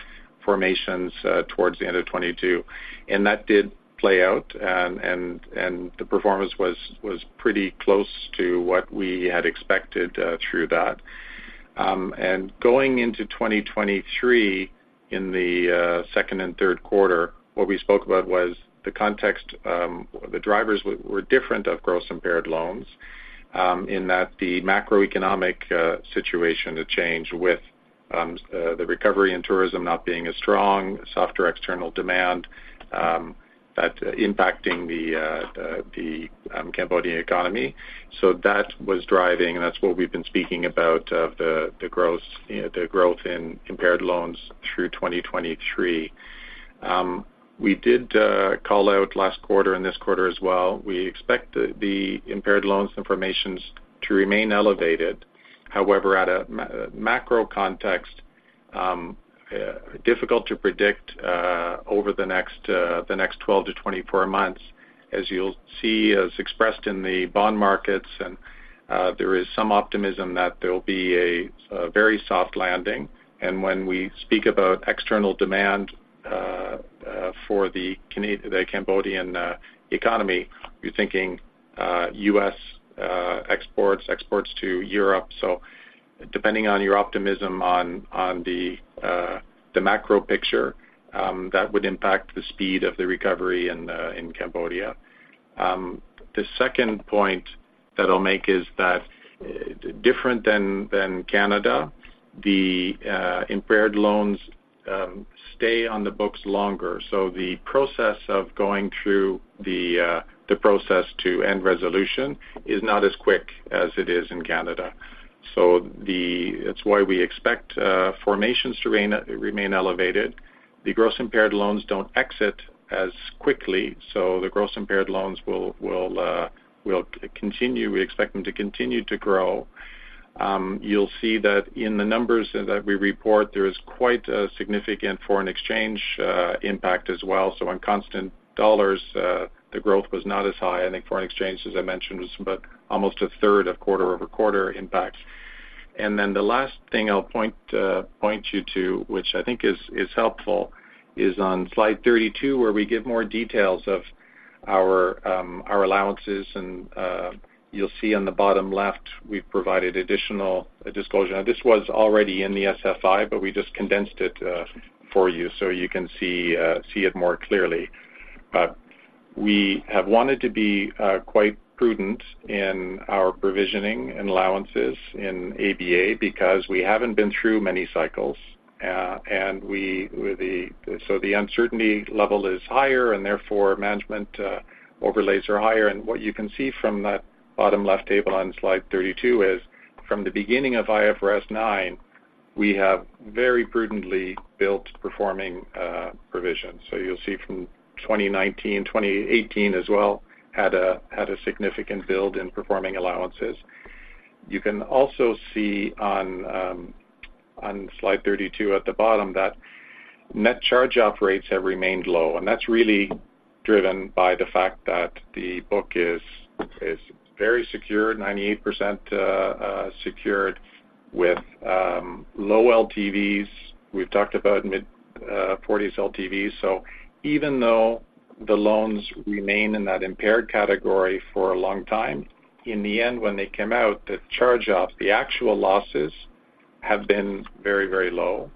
formations, towards the end of 2022. And that did play out, and the performance was pretty close to what we had expected, through that. And going into 2023, in the second and third quarter, what we spoke about was the context, the drivers were different of gross impaired loans, in that the macroeconomic situation had changed with the recovery in tourism not being as strong, softer external demand, that impacting the Cambodian economy. So that was driving, and that's what we've been speaking about of the gross, you know, the growth in impaired loans through 2023. We did call out last quarter and this quarter as well, we expect the impaired loans information to remain elevated. However, at a macro context, difficult to predict over the next 12-24 months, as you'll see, as expressed in the bond markets, and there is some optimism that there'll be a very soft landing. And when we speak about external demand for the Cambodian economy, you're thinking U.S. exports to Europe. So depending on your optimism on the macro picture, that would impact the speed of the recovery in Cambodia. The second point that I'll make is that different than Canada, the impaired loans stay on the books longer. So the process of going through the process to end resolution is not as quick as it is in Canada. So it's why we expect formations to remain elevated. The gross impaired loans don't exit as quickly, so the gross impaired loans will continue. We expect them to continue to grow. You'll see that in the numbers that we report, there is quite a significant foreign exchange impact as well. So on constant dollars, the growth was not as high. I think foreign exchange, as I mentioned, was about almost a third of quarter-over-quarter impact. And then the last thing I'll point you to, which I think is helpful, is on slide 32, where we give more details of our allowances. You'll see on the bottom left, we've provided additional disclosure. Now this was already in the SFI, but we just condensed it for you so you can see it more clearly. We have wanted to be quite prudent in our provisioning and allowances in ABA because we haven't been through many cycles, and the uncertainty level is higher, and therefore, management overlays are higher. What you can see from that bottom left table on slide 32 is, from the beginning of IFRS 9, we have very prudently built performing provisions. You'll see from 2019, 2018 as well, had a significant build in performing allowances. You can also see on slide 32 at the bottom, that net charge-off rates have remained low, and that's really driven by the fact that the book is very secure, 98%, secured with low LTVs. We've talked about mid-forties LTVs. So even though the loans remain in that impaired category for a long time, in the end, when they come out, the charge-offs, the actual losses have been very, very low.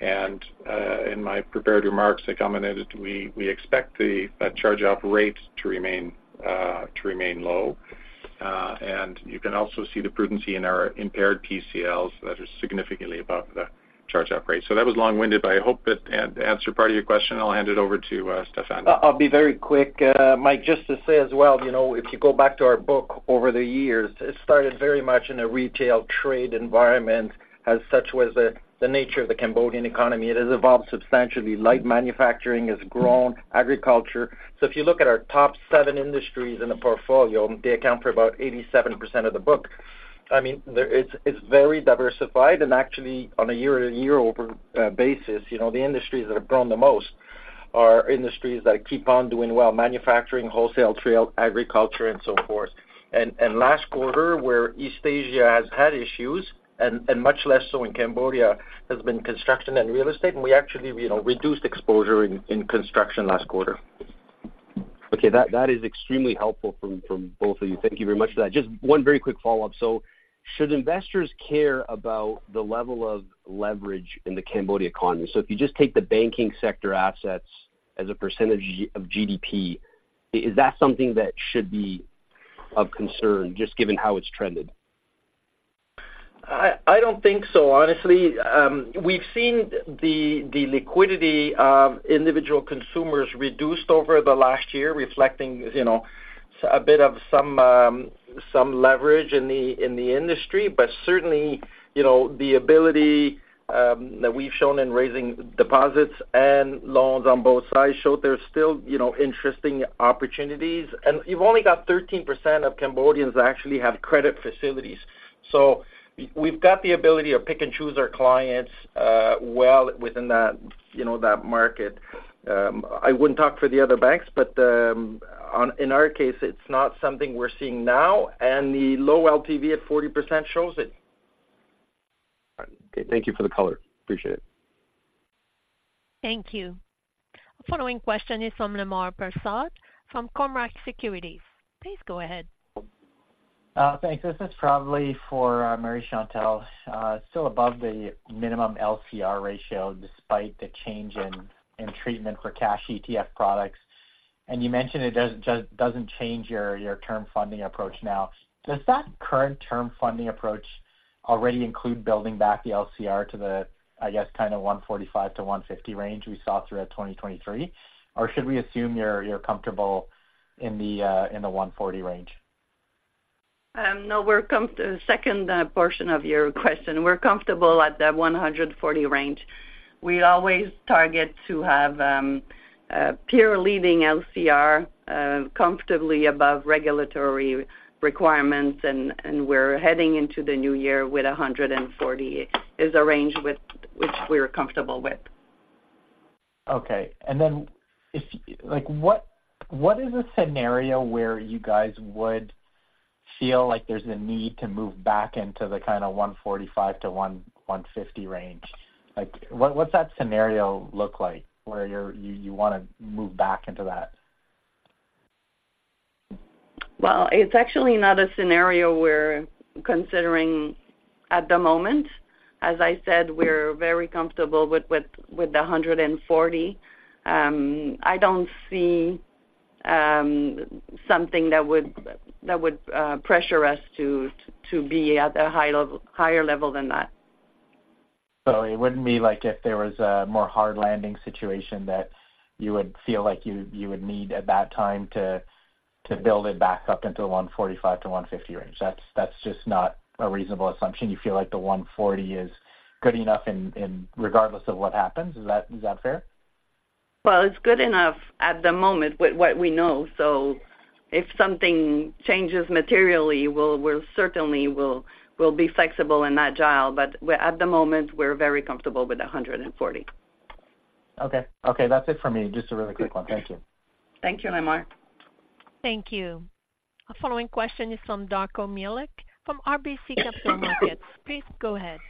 And in my prepared remarks, I commented, we expect that charge-off rate to remain low. And you can also see the prudency in our impaired PCLs, that is significantly above the charge-off rate. So that was long-winded, but I hope it answered part of your question. I'll hand it over to Stéphane. I'll be very quick, Mike, just to say as well, you know, if you go back to our book over the years, it started very much in a retail trade environment, as such was the nature of the Cambodian economy. It has evolved substantially. Light manufacturing has grown, agriculture. So if you look at our top seven industries in the portfolio, they account for about 87% of the book. I mean, there—it's very diversified, and actually, on a year-to-year basis, you know, the industries that have grown the most are industries that keep on doing well: manufacturing, wholesale, trade, agriculture, and so forth. And last quarter, where East Asia has had issues, and much less so in Cambodia, has been construction and real estate, and we actually, you know, reduced exposure in construction last quarter. Okay, that is extremely helpful from both of you. Thank you very much for that. Just one very quick follow-up. So should investors care about the level of leverage in the Cambodia economy? So if you just take the banking sector assets as a percentage of GDP, is that something that should be of concern, just given how it's trended? I don't think so, honestly. We've seen the liquidity of individual consumers reduced over the last year, reflecting, you know, a bit of some,... some leverage in the, in the industry. But certainly, you know, the ability that we've shown in raising deposits and loans on both sides show there's still, you know, interesting opportunities. And you've only got 13% of Cambodians that actually have credit facilities. So we've got the ability to pick and choose our clients well within that, you know, that market. I wouldn't talk for the other banks, but in our case, it's not something we're seeing now, and the low LTV at 40% shows it. All right. Okay, thank you for the color. Appreciate it. Thank you. The following question is from Lamar Persaud, from Cormark Securities. Please go ahead. Thanks. This is probably for Marie-Chantal. Still above the minimum LCR ratio, despite the change in treatment for cash ETF products. And you mentioned it does- just doesn't change your term funding approach now. Does that current term funding approach already include building back the LCR to the, I guess, kind of 145-150 range we saw throughout 2023? Or should we assume you're comfortable in the 140 range? No, we're comfortable. The second portion of your question, we're comfortable at the 140 range. We always target to have peer-leading LCR comfortably above regulatory requirements, and we're heading into the new year with a 140, is a range with which we're comfortable with. Okay. And then if—like, what is a scenario where you guys would feel like there's a need to move back into the kind of 145-150 range? Like, what's that scenario look like, where you want to move back into that? Well, it's actually not a scenario we're considering at the moment. As I said, we're very comfortable with the 140. I don't see something that would pressure us to be at a higher level than that. So it wouldn't be like if there was a more hard landing situation that you would feel like you would need, at that time, to build it back up into the 145-150 range. That's just not a reasonable assumption. You feel like the 140 is good enough in regardless of what happens. Is that fair? Well, it's good enough at the moment with what we know. So if something changes materially, we'll certainly be flexible and agile. But at the moment, we're very comfortable with 140. Okay. Okay, that's it for me. Just a really quick one. Thank you. Thank you, Lamar. Thank you. Our following question is from Darko Mihelic, from RBC Capital Markets. Please go ahead.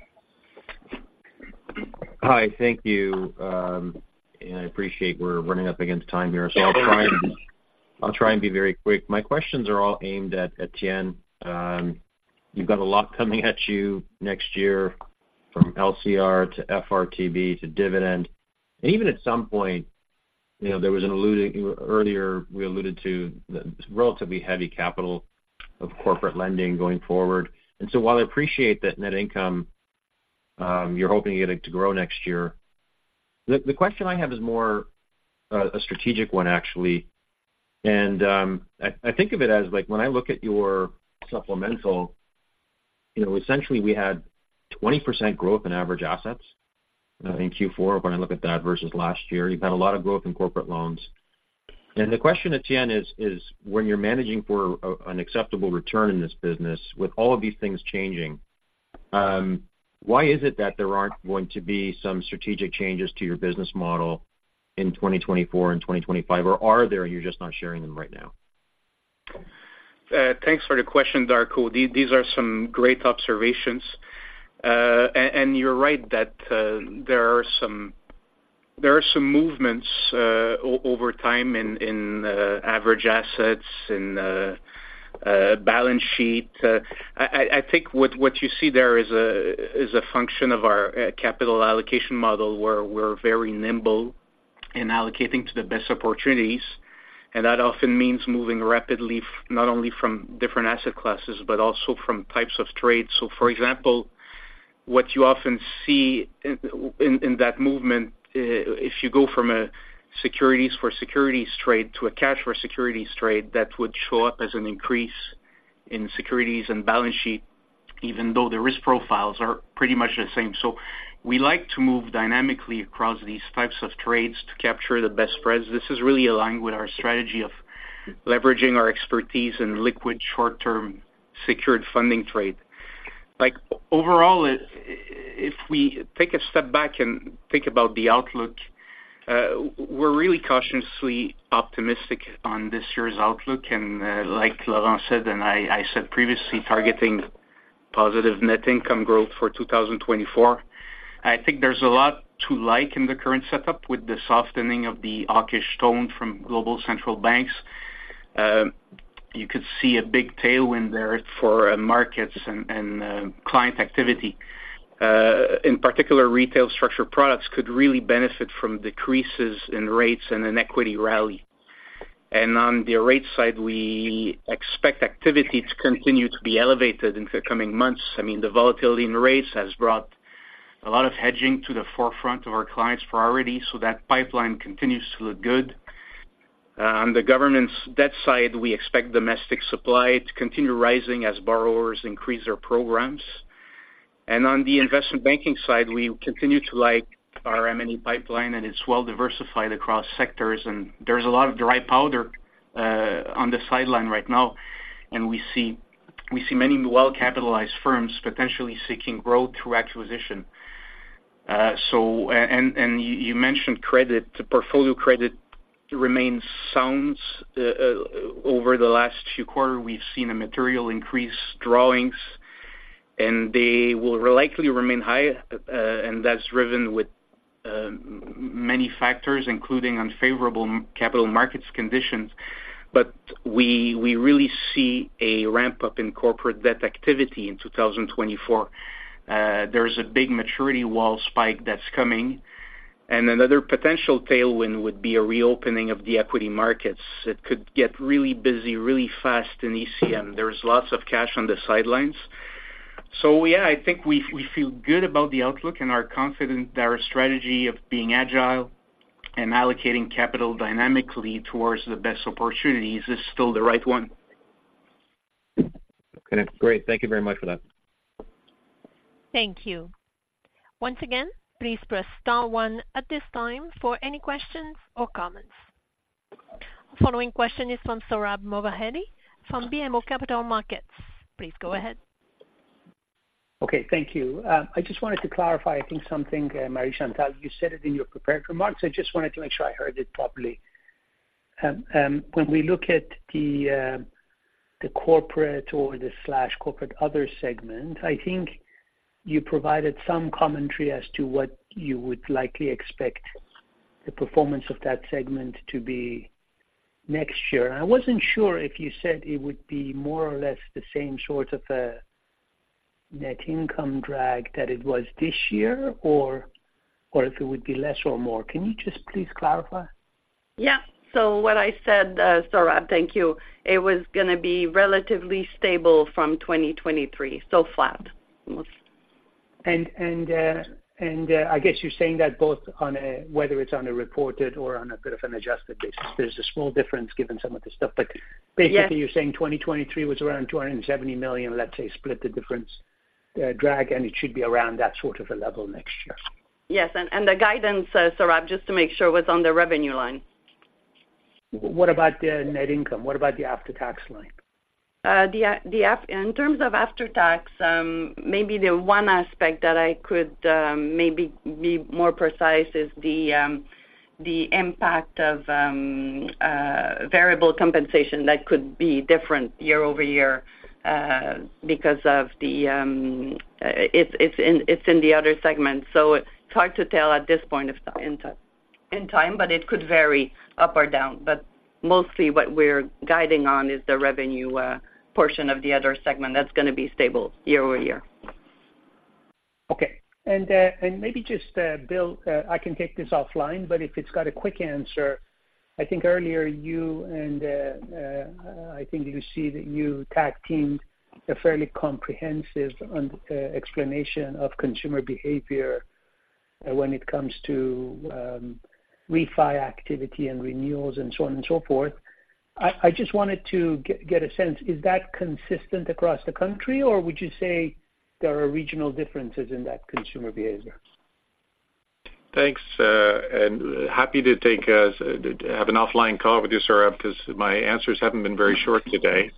Hi, thank you. And I appreciate we're running up against time here, so I'll try and be very quick. My questions are all aimed at Étienne. You've got a lot coming at you next year, from LCR to FRTB to dividend. And even at some point, you know, there was an alluding—earlier, we alluded to the relatively heavy capital of corporate lending going forward. And so while I appreciate that net income, you're hoping it to grow next year, the question I have is more a strategic one, actually. And I think of it as, like, when I look at your supplemental, you know, essentially, we had 20% growth in average assets in Q4, when I look at that versus last year. You've had a lot of growth in corporate loans. The question, Étienne, is when you're managing for an acceptable return in this business, with all of these things changing, why is it that there aren't going to be some strategic changes to your business model in 2024 and 2025, or are there, and you're just not sharing them right now? Thanks for the question, Darko. These are some great observations. And you're right that there are some movements over time in average assets and balance sheet. I think what you see there is a function of our capital allocation model, where we're very nimble in allocating to the best opportunities, and that often means moving rapidly not only from different asset classes, but also from types of trades. So for example, what you often see in that movement, if you go from a securities for securities trade to a cash for securities trade, that would show up as an increase in securities and balance sheet, even though the risk profiles are pretty much the same. So we like to move dynamically across these types of trades to capture the best spreads. This is really aligned with our strategy of leveraging our expertise in liquid, short-term, secured funding trade. Like, overall, if we take a step back and think about the outlook, we're really cautiously optimistic on this year's outlook. And, like Laurent said, and I said previously, targeting positive net income growth for 2024. I think there's a lot to like in the current setup with the softening of the hawkish tone from global central banks. You could see a big tailwind there for markets and client activity. In particular, retail structured products could really benefit from decreases in rates and an equity rally. And on the rate side, we expect activity to continue to be elevated in the coming months. I mean, the volatility in rates has brought a lot of hedging to the forefront of our clients' priority, so that pipeline continues to look good. On the government's debt side, we expect domestic supply to continue rising as borrowers increase their programs. On the investment banking side, we continue to like our M&A pipeline, and it's well diversified across sectors. There's a lot of dry powder on the sideline right now, and we see many well-capitalized firms potentially seeking growth through acquisition. You mentioned credit. The portfolio credit remains sound. Over the last few quarters, we've seen a material increase drawings, and they will likely remain high, and that's driven with many factors, including unfavorable capital markets conditions. We really see a ramp-up in corporate debt activity in 2024. There's a big maturity wall spike that's coming, and another potential tailwind would be a reopening of the equity markets. It could get really busy, really fast in ECM. There's lots of cash on the sidelines. So yeah, I think we feel good about the outlook and are confident that our strategy of being agile and allocating capital dynamically towards the best opportunities is still the right one. Okay, great. Thank you very much for that. Thank you. Once again, please press star one at this time for any questions or comments. Following question is from Sohrab Movahedi from BMO Capital Markets. Please go ahead. Okay, thank you. I just wanted to clarify, I think, something, Marie-Chantal, you said it in your prepared remarks. I just wanted to make sure I heard it properly. When we look at the, the corporate or the slash corporate other segment, I think you provided some commentary as to what you would likely expect the performance of that segment to be next year. I wasn't sure if you said it would be more or less the same sort of, net income drag that it was this year, or, or if it would be less or more. Can you just please clarify? Yeah. So what I said, Sohrab, thank you. It was gonna be relatively stable from 2023, so flat, almost. I guess you're saying that both on a, whether it's on a reported or on a bit of an adjusted basis. There's a small difference given some of the stuff, but- Yes. Basically, you're saying 2023 was around 270 million, let's say, split the difference, drag, and it should be around that sort of a level next year. Yes, and the guidance, Sohrab, just to make sure, was on the revenue line. What about the net income? What about the after-tax line? In terms of after-tax, maybe the one aspect that I could maybe be more precise is the impact of variable compensation that could be different year-over-year, because it's in the other segment, so it's hard to tell at this point in time, but it could vary up or down. But mostly what we're guiding on is the revenue portion of the other segment. That's gonna be stable year-over-year. Okay. And maybe just, Bill, I can take this offline, but if it's got a quick answer, I think earlier you and I think you see that you tag-teamed a fairly comprehensive explanation of consumer behavior when it comes to refi activity and renewals and so on and so forth. I just wanted to get a sense, is that consistent across the country, or would you say there are regional differences in that consumer behavior? Thanks, and happy to take, to have an offline call with you, Saurabh, because my answers haven't been very short today.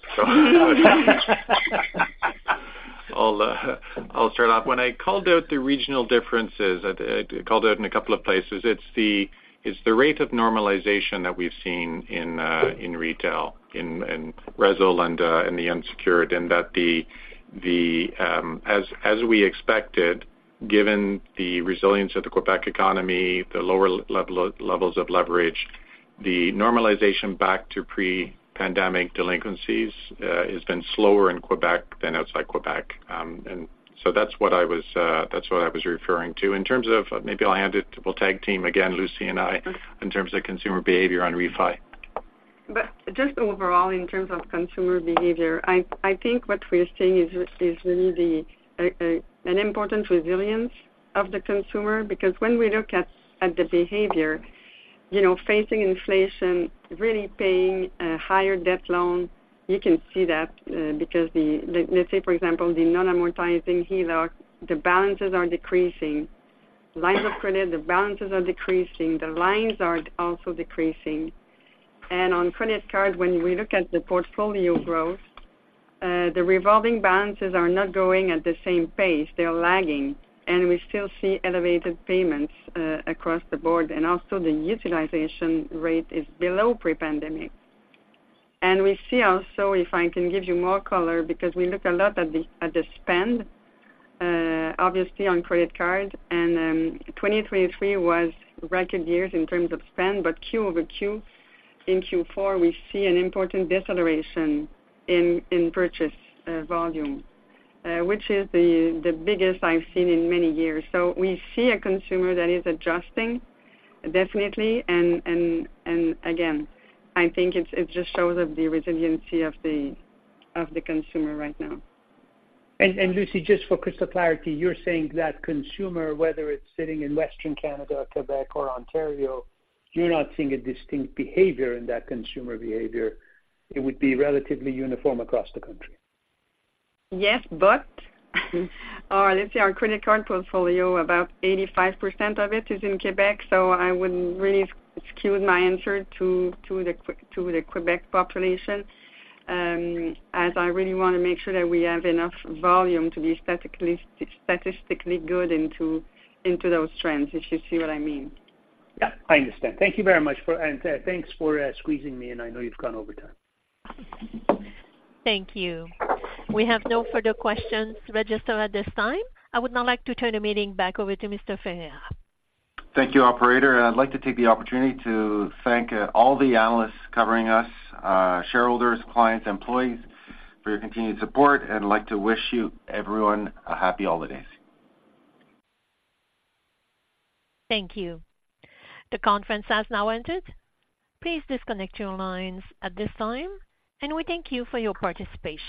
I'll, I'll start off. When I called out the regional differences, I, I called out in a couple of places, it's the, it's the rate of normalization that we've seen in, in retail, in, in resi and, in the unsecured, and that the, the, as, as we expected, given the resilience of the Quebec economy, the lower levels of leverage, the normalization back to pre-pandemic delinquencies, has been slower in Quebec than outside Quebec. And so that's what I was, that's what I was referring to. In terms of... Maybe I'll hand it, we'll tag team again, Lucie and I, in terms of consumer behavior on refi. But just overall, in terms of consumer behavior, I think what we're seeing is really an important resilience of the consumer. Because when we look at the behavior, you know, facing inflation, really paying a higher debt loan, you can see that, because the—let's say, for example, the non-amortizing HELOC, the balances are decreasing. Lines of credit, the balances are decreasing, the lines are also decreasing. And on credit card, when we look at the portfolio growth, the revolving balances are not growing at the same pace. They're lagging, and we still see elevated payments across the board, and also the utilization rate is below pre-pandemic. We see also, if I can give you more color, because we look a lot at the spend, obviously on credit card, and, 2023 was record years in terms of spend, but Q-over-Q, in Q4, we see an important deceleration in purchase volume, which is the biggest I've seen in many years. So we see a consumer that is adjusting, definitely, and again, I think it just shows up the resiliency of the consumer right now. And, Lucie, just for crystal clarity, you're saying that consumer, whether it's sitting in Western Canada, or Quebec, or Ontario, you're not seeing a distinct behavior in that consumer behavior. It would be relatively uniform across the country? Yes, but let's say our credit card portfolio, about 85% of it is in Quebec, so I wouldn't really skew my answer to the Quebec population, as I really want to make sure that we have enough volume to be statistically good into those trends, if you see what I mean. Yeah, I understand. Thank you very much for... And, thanks for squeezing me in. I know you've gone over time. Thank you. We have no further questions registered at this time. I would now like to turn the meeting back over to Mr. Ferreira. Thank you, operator, and I'd like to take the opportunity to thank all the analysts covering us, shareholders, clients, employees, for your continued support, and I'd like to wish you everyone a happy holidays. Thank you. The conference has now ended. Please disconnect your lines at this time, and we thank you for your participation.